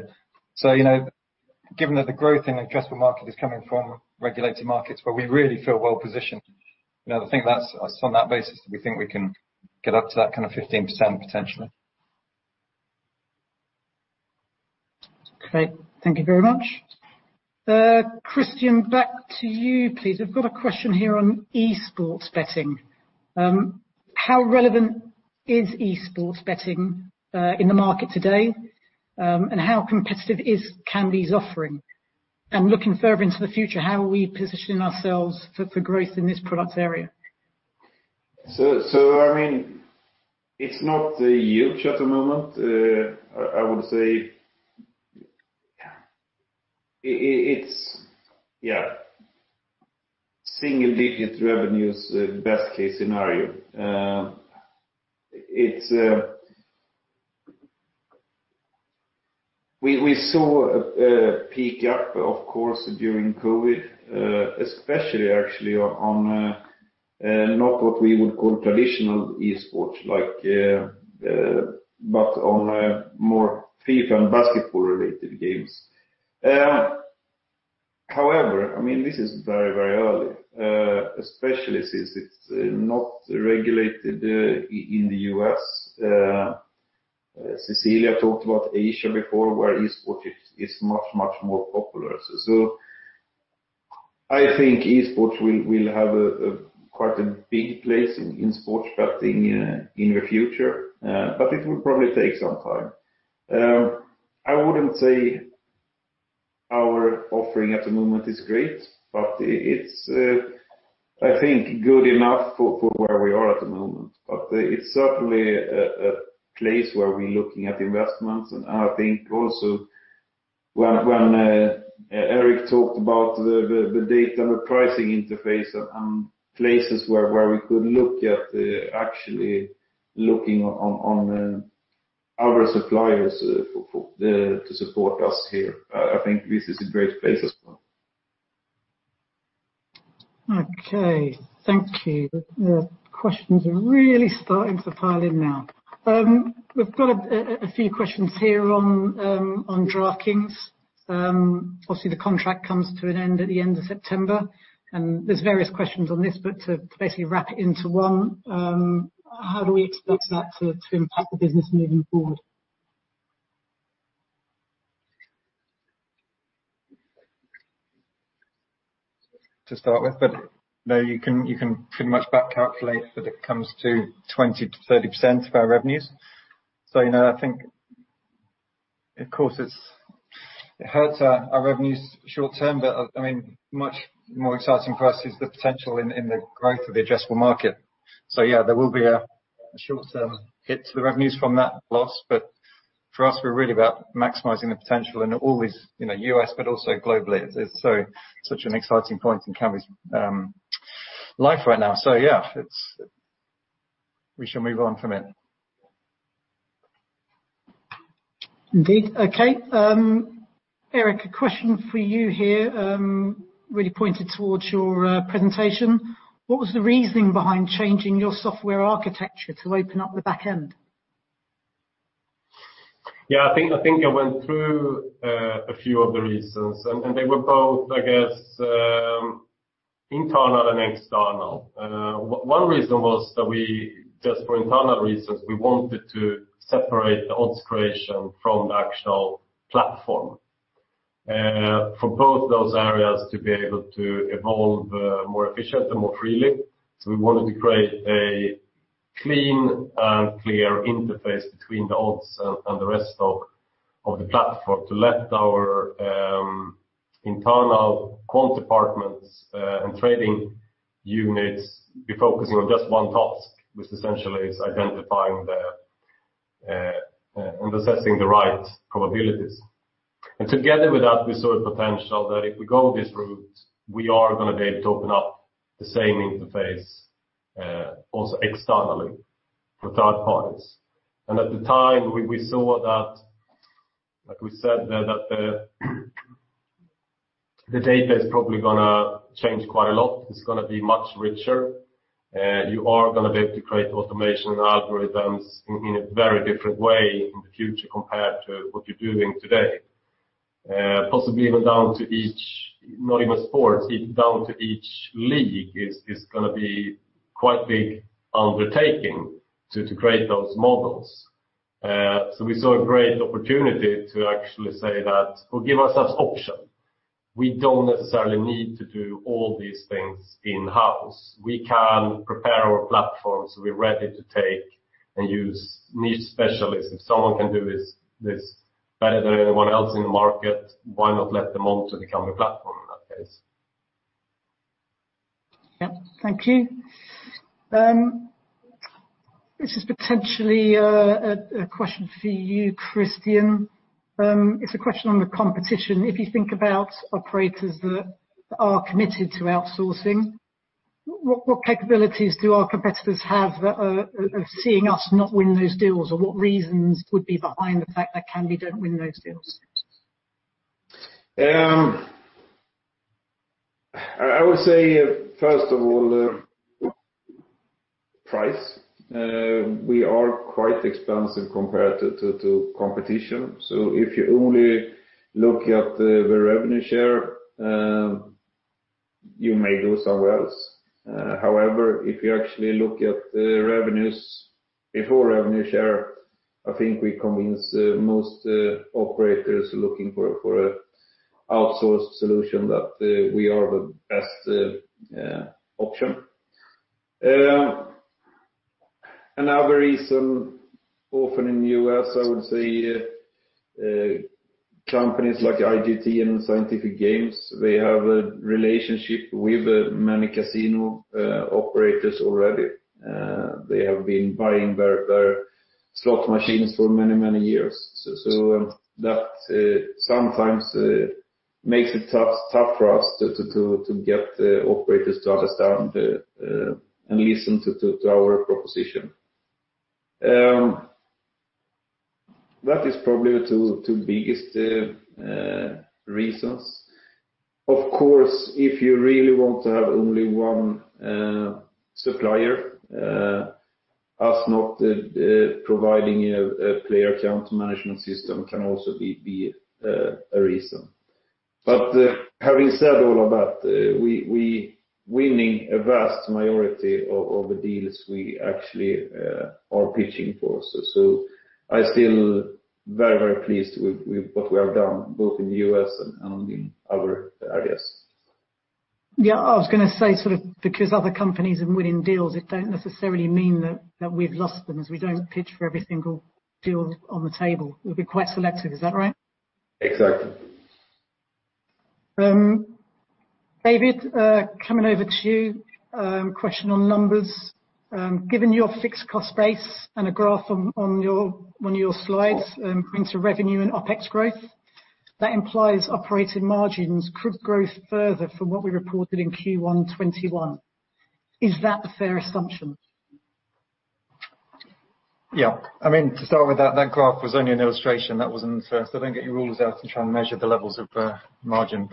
Given that the growth in the addressable market is coming from regulated markets where we really feel well-positioned. I think that's on that basis that we think we can get up to that kind of 15% potentially. Great. Thank you very much. Kristian, back to you, please. I've got a question here on esports betting. How relevant is esports betting in the market today? How competitive is Kambi's offering? Looking further into the future, how are we positioning ourselves for growth in this product area? It's not huge at the moment. I would say it's single-digit revenues, best case scenario. We saw a peak up, of course, during COVID, especially actually on not what we would call traditional esports, but on more FIFA and basketball-related games. However, this is very early, especially since it's not regulated in the U.S. Cecilia talked about Asia before, where esports is much, much more popular. I think esports will have quite a big place in sports betting in the future. It will probably take some time. I wouldn't say our offering at the moment is great, but it's, I think, good enough for where we are at the moment. It's certainly a place where we're looking at investments. When Erik talked about the data, the pricing interface, and places where we could look at actually looking on other suppliers to support us here, I think this is a great place as well. Okay. Thank you. The questions are really starting to pile in now. We've got a few questions here on DraftKings. Obviously, the contract comes to an end at the end of September, and there's various questions on this, but to basically wrap it into one, how do we expect that to impact the business moving forward? To start with, but now you can pretty much back calculate that it comes to 20%-30% of our revenues. I think, of course, it hurts our revenues short term, but much more exciting for us is the potential in the growth of the addressable market. Yeah, there will be a short-term hit to the revenues from that loss, but for us, we're really about maximizing the potential in all these, U.S., but also globally. Such an exciting point in Kambi's life right now. Yeah, we shall move on from it. Indeed. Okay. Erik, a question for you here, really pointed towards your presentation. What was the reasoning behind changing your software architecture to open up the back end? Yeah, I think I went through a few of the reasons, and they were both, I guess, internal and external. One reason was that we, just for internal reasons, we wanted to separate the odds creation from the actual platform, for both those areas to be able to evolve more efficiently, more freely. We wanted to create a clean and clear interface between the odds and the rest of the platform to let our internal quant departments and trading units be focused on just one task, which essentially is identifying and assessing the right probabilities. Together with that, we saw the potential that if we go this route, we are going to be able to open up the same interface, also externally with third parties. At the time, we saw that, like we said, that the data is probably going to change quite a lot. It's going to be much richer. You are going to be able to create automation algorithms in a very different way in the future compared to what you're doing today. Possibly even down to not even a sport, even down to each league is going to be quite a big undertaking to create those models. We saw a great opportunity to actually say that, well, give us that option. We don't necessarily need to do all these things in-house. We can prepare our platform, so we're ready to take and use niche specialists. If someone can do this better than anyone else in the market, why not let them onto the Kambi platform in that case? Yeah. Thank you. This is potentially a question for you, Kristian. It's a question on the competition. If you think about operators that are committed to outsourcing, what capabilities do our competitors have that are seeing us not win those deals? What reasons would be behind the fact that Kambi don't win those deals? I would say, first of all, price. We are quite expensive compared to competition. If you only look at the revenue share, you may go somewhere else. If you actually look at the revenues before revenue share, I think we convince most operators looking for outsourced solution that we are the best option. Another reason, often in the U.S., I would say companies like IGT and Scientific Games, they have a relationship with many casino operators already. They have been buying their slot machines for many, many years. That sometimes makes it tough for us to get the operators to understand and listen to our proposition. That is probably the two biggest reasons. If you really want to have only one supplier, us not providing a player account management system can also be a reason. Having said all of that, we winning a vast majority of the deals we actually are pitching for. I still very, very pleased with what we have done both in the U.S. and in other areas. Yeah, I was going to say sort of because other companies are winning deals, it don't necessarily mean that we've lost them as we don't pitch for every single deal on the table. We'll be quite selective. Is that right? Exactly. David, coming over to you. Question on numbers. Given your fixed cost base and a graph on your slides into revenue and OpEx growth, that implies operating margins could grow further from what we reported in Q1 2021. Is that a fair assumption? Yeah. I mean, to start with, that graph was only an illustration. That wasn't fair. Don't get your rules out to try and measure the levels of margin.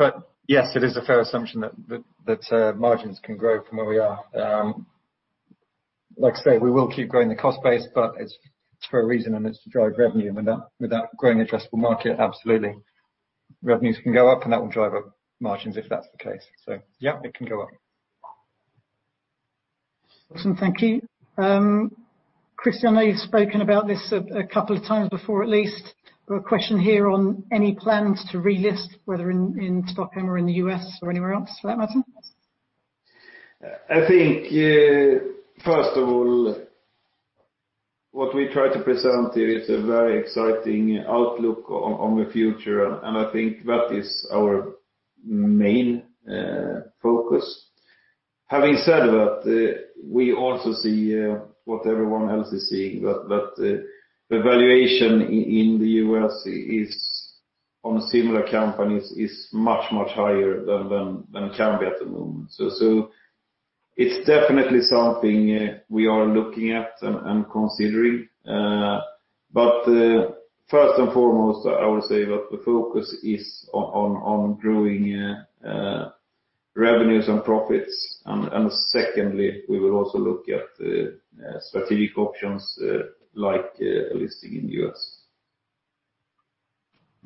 Yes, it is a fair assumption that margins can grow from where we are. Like I said, we will keep growing the cost base, but it's for a reason, and it's to drive revenue. With that growing addressable market, absolutely, revenues can go up, and that will drive up margins if that's the case. Yeah, it can go up. Awesome. Thank you. Kristian, I know you've spoken about this two times before at least. I have a question here on any plans to relist, whether in Stockholm or in the U.S. or anywhere else for that matter? I think, first of all, what we try to present here is a very exciting outlook on the future, and I think that is our main focus. Having said that, we also see what everyone else is seeing, that the valuation in the U.S. on similar companies is much, much higher than Kambi at the moment. It's definitely something we are looking at and considering. First and foremost, I would say that the focus is on growing revenues and profits. Secondly, we will also look at strategic options like listing in U.S.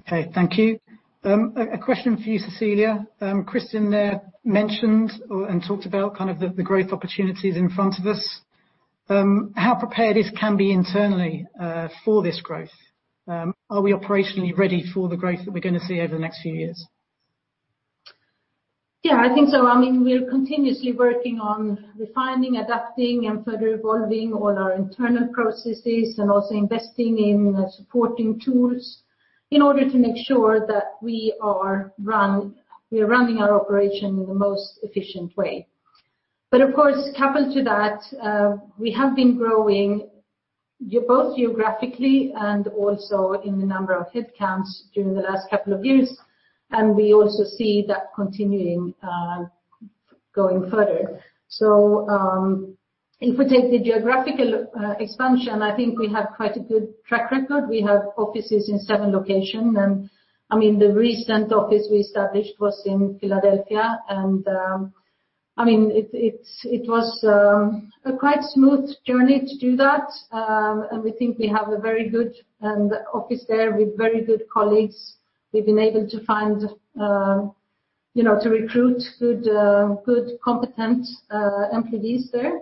Okay, thank you. A question for you, Cecilia. Kristian there mentioned and talked about kind of the growth opportunities in front of us. How prepared is Kambi internally for this growth? Are we operationally ready for the growth that we're going to see over the next few years? Yeah, I think so. I mean, we are continuously working on refining, adapting, and further evolving all our internal processes and also investing in supporting tools in order to make sure that we are running our operation in the most efficient way. Of course, coupled to that, we have been growing both geographically and also in the number of headcounts during the last couple of years, and we also see that continuing going further. In particular, geographical expansion, I think we have quite a good track record. We have offices in seven locations, and I mean, the recent office we established was in Philadelphia. It was a quite smooth journey to do that. I think we have a very good office there with very good colleagues. We've been able to recruit good, competent employees there.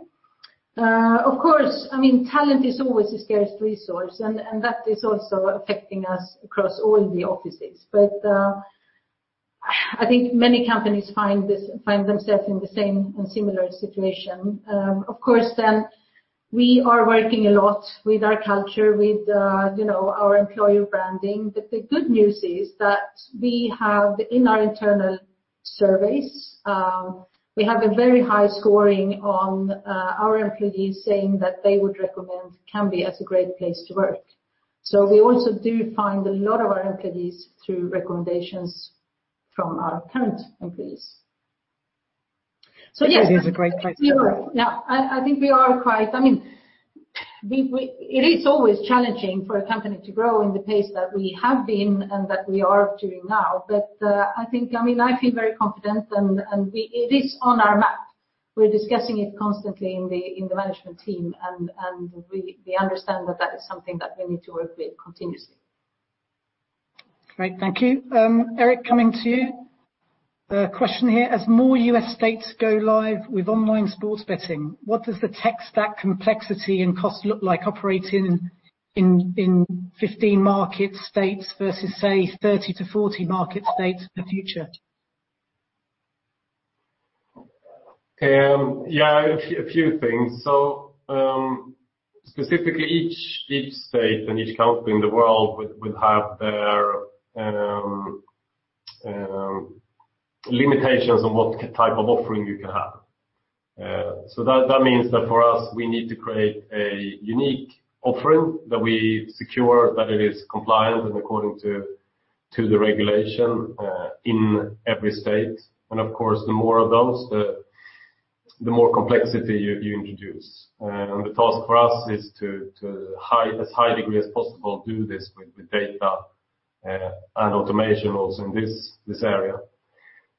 Talent is always a scarce resource, and that is also affecting us across all the offices. I think many companies find themselves in the same and similar situation. We are working a lot with our culture, with our employer branding. The good news is that we have in our internal surveys, we have a very high scoring on our employees saying that they would recommend Kambi as a great place to work. We also do find a lot of our employees through recommendations from our current employees. That is a great place to work. It is always challenging for a company to grow in the pace that we have been and that we are doing now. I think I feel very confident, and it is on our map. We're discussing it constantly in the management team, and we understand that that is something that we need to work with continuously. Great. Thank you. Erik, coming to you. A question here: as more U.S. states go live with online sports betting, what does the tech stack complexity and cost look like operating in 15 market states versus, say, 30 to 40 market states in the future? A few things. Specifically, each state and each country in the world will have their limitations on what type of offering you can have. That means that for us, we need to create a unique offering that we secure that it is compliant and according to the regulation in every state. Of course, the more of those, the more complexity you introduce. The task for us is to, as high degree as possible, do this with data and automation also in this area.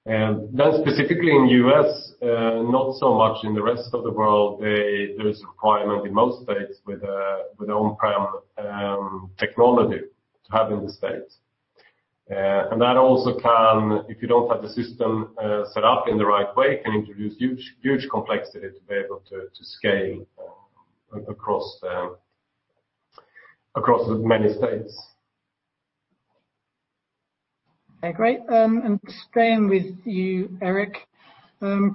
Specifically in the U.S., not so much in the rest of the world, there is a requirement in most states with on-prem technology to have in the states. That also can, if you don't have the system set up in the right way, can introduce huge complexity to be able to scale across the many states. Great. Staying with you, Erik.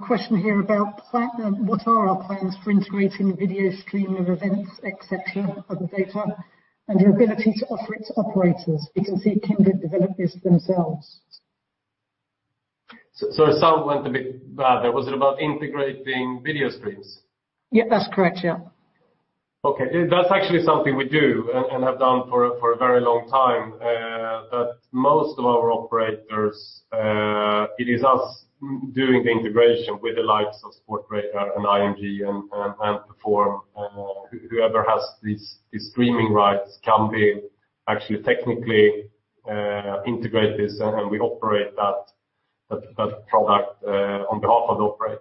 Question here about what are our plans for integrating video streaming events, et cetera, of the data, and your ability to offer its operators, if they can develop this themselves? The sound went a bit bad there. Was it about integrating video streams? Yeah, that's correct. Yeah. Okay. That's actually something we do and have done for a very long time, that most of our operators, it is us doing the integration with the likes of Sportradar, and IMG, and Perform, and whoever has these streaming rights can be actually technically integrate this, and then we operate that product on behalf of the operators.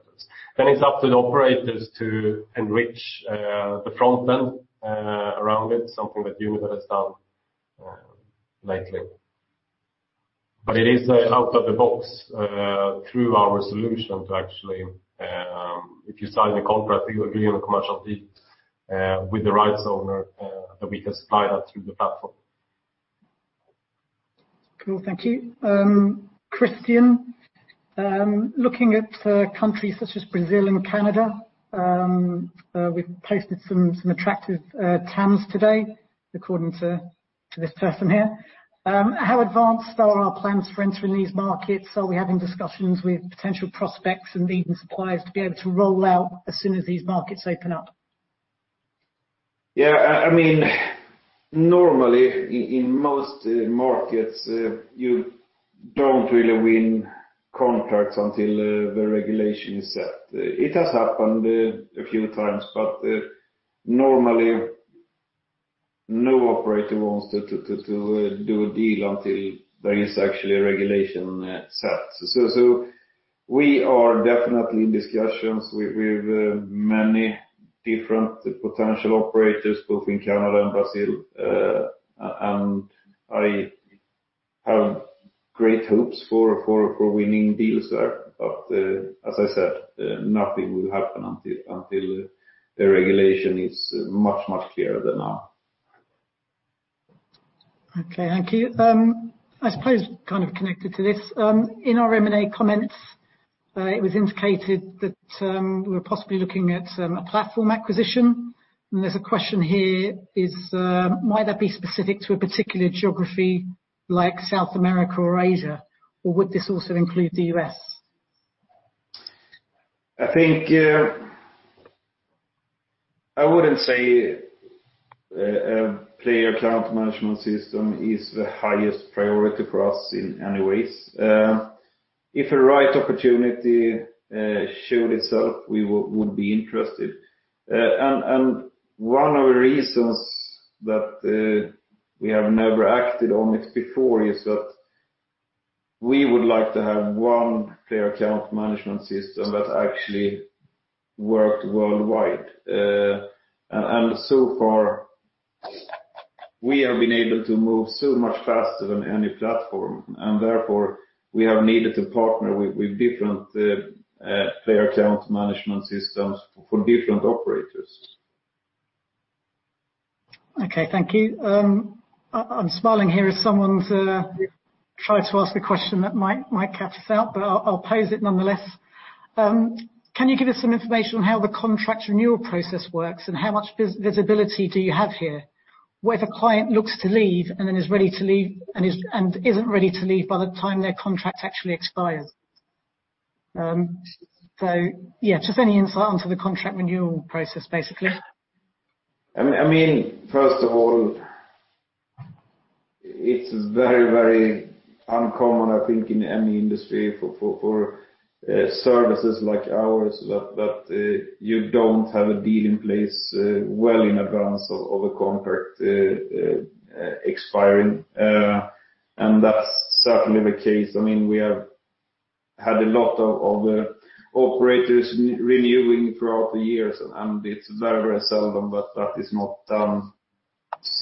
It's up to the operators to enrich the front-end around it, something that you would have done lately. It is out of the box through our solution to actually, if you sign a contract, it will be a commercial deal with the rights owner, that we can slide that through the platform. Cool. Thank you. Kristian, looking at countries such as Brazil and Canada, we've posted some attractive TAMs today, according to this person here. How advanced are our plans to enter these markets? Are we having discussions with potential prospects and even suppliers to be able to roll out as soon as these markets open up? Yeah. Normally, in most markets, you don't really win contracts until the regulation is set. It has happened a few times, normally, no operator wants to do a deal until there is actually a regulation set. We are definitely in discussions with many different potential operators both in Canada and Brazil. I have great hopes for winning deals there. As I said, nothing will happen until the regulation is much, much clearer than now. Okay. Thank you. I suppose kind of connected to this, in our M&A comments, it was indicated that we're possibly looking at a platform acquisition. There's a question here, might that be specific to a particular geography like South America or Asia, or would this also include the U.S.? I think I wouldn't say a player account management system is the highest priority for us in any ways. If a right opportunity showed itself, we would be interested. One of the reasons that we have never acted on it before is that we would like to have one player account management system that actually worked worldwide. So far, we have been able to move so much faster than any platform, and therefore, we have needed to partner with different player account management systems for different operators. Okay. Thank you. I'm smiling here as someone's tried to ask a question that might catch us out, but I'll pose it nonetheless. Can you give us some information on how the contract renewal process works, and how much visibility do you have here, where the client looks to leave and then is ready to leave, and isn't ready to leave by the time their contract actually expires? Yeah, just any insight on to the contract renewal process, basically. First of all, it's very, very uncommon, I think, in any industry for services like ours that you don't have a deal in place well in advance of a contract expiring. That's certainly the case. We have had a lot of the operators renewing throughout the years, and it's very, very seldom that that is not done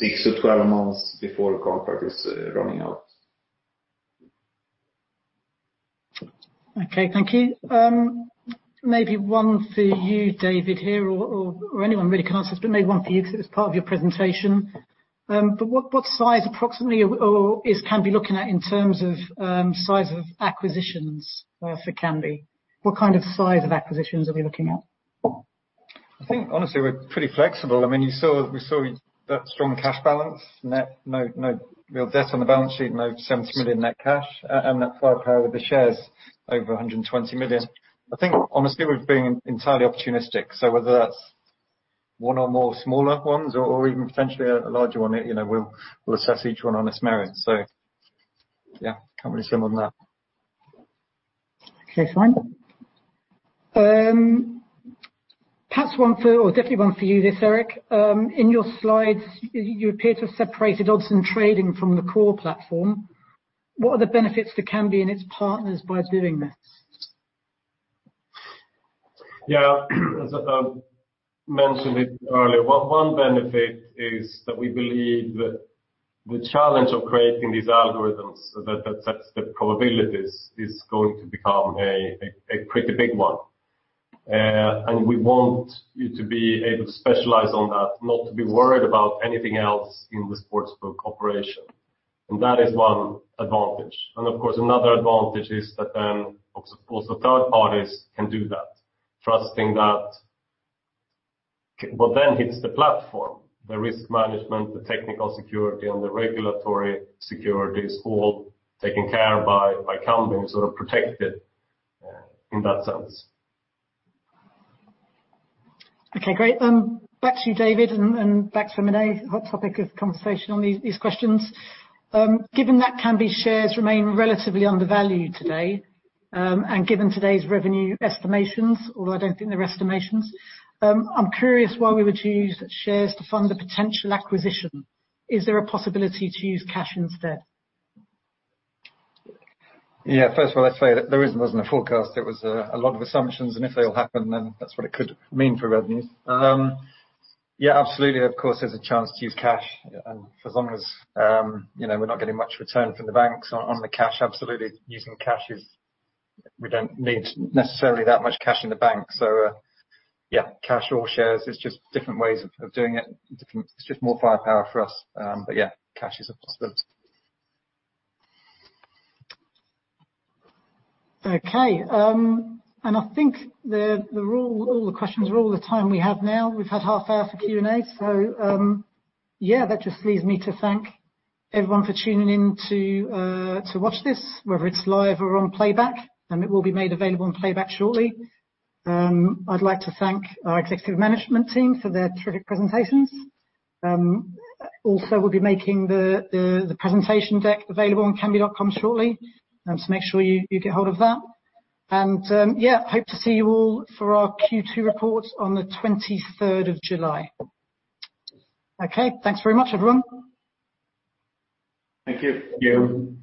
6-12 months before the contract is running out. Okay. Thank you. Maybe one for you, David, here, or anyone who can answer, but maybe one for you because it's part of your presentation. What size approximately is Kambi looking at in terms of size of acquisitions for Kambi? What kind of size of acquisitions are we looking at? I think honestly, we're pretty flexible. You saw that strong cash balance, no debt on the balance sheet, no 70 million net cash. That's why with the shares over 120 million. I think honestly, we're being entirely opportunistic. Whether that's one or more smaller ones or even potentially a larger one, we'll assess each one on its merit. Yeah, can't really say more on that. Okay, fine. Perhaps one for, or definitely one for you, Erik. In your slides, you appear to have separated odds and trading from the core platform. What are the benefits for Kambi and its partners by doing this? Yeah. As I mentioned it earlier, one benefit is that we believe the challenge of creating these algorithms, so that the probabilities is going to become a pretty big one. We want you to be able to specialize on that, not to be worried about anything else in the sportsbook operation. That is one advantage. Of course, another advantage is that then, of course, a third party can do that, trusting that what then hits the platform, the risk management, the technical security, and the regulatory security is all taken care of by Kambi and sort of protected in that sense. Okay, great. Back to you, David, and back to M&A. Hot topic of conversation on these questions. Given that Kambi shares remain relatively undervalued today, and given today's revenue estimations, although I don't think they're estimations, I'm curious why we would use shares to fund a potential acquisition. Is there a possibility to use cash instead? Yeah. First of all, I'd say that it wasn't a forecast. It was a lot of assumptions, and if they all happen, then that's what it could mean for revenues. Yeah, absolutely. Of course, there's a chance to use cash. As long as we're not getting much return from the banks on the cash, absolutely, using cash. We don't need necessarily that much cash in the bank. Yeah, cash or shares, it's just different ways of doing it. It's just more firepower for us. Yeah, cash is a possibility. Okay. I think all the questions are all the time we have now. We've had half hour for Q&A, so that just leaves me to thank everyone for tuning in to watch this, whether it's live or on playback, and it will be made available on playback shortly. I'd like to thank our executive management team for their terrific presentations. Also, we'll be making the presentation deck available on kambi.com shortly, so make sure you get hold of that. Hope to see you all for our Q2 reports on the July 23rd. Okay, thanks very much, everyone. Thank you. Thank you.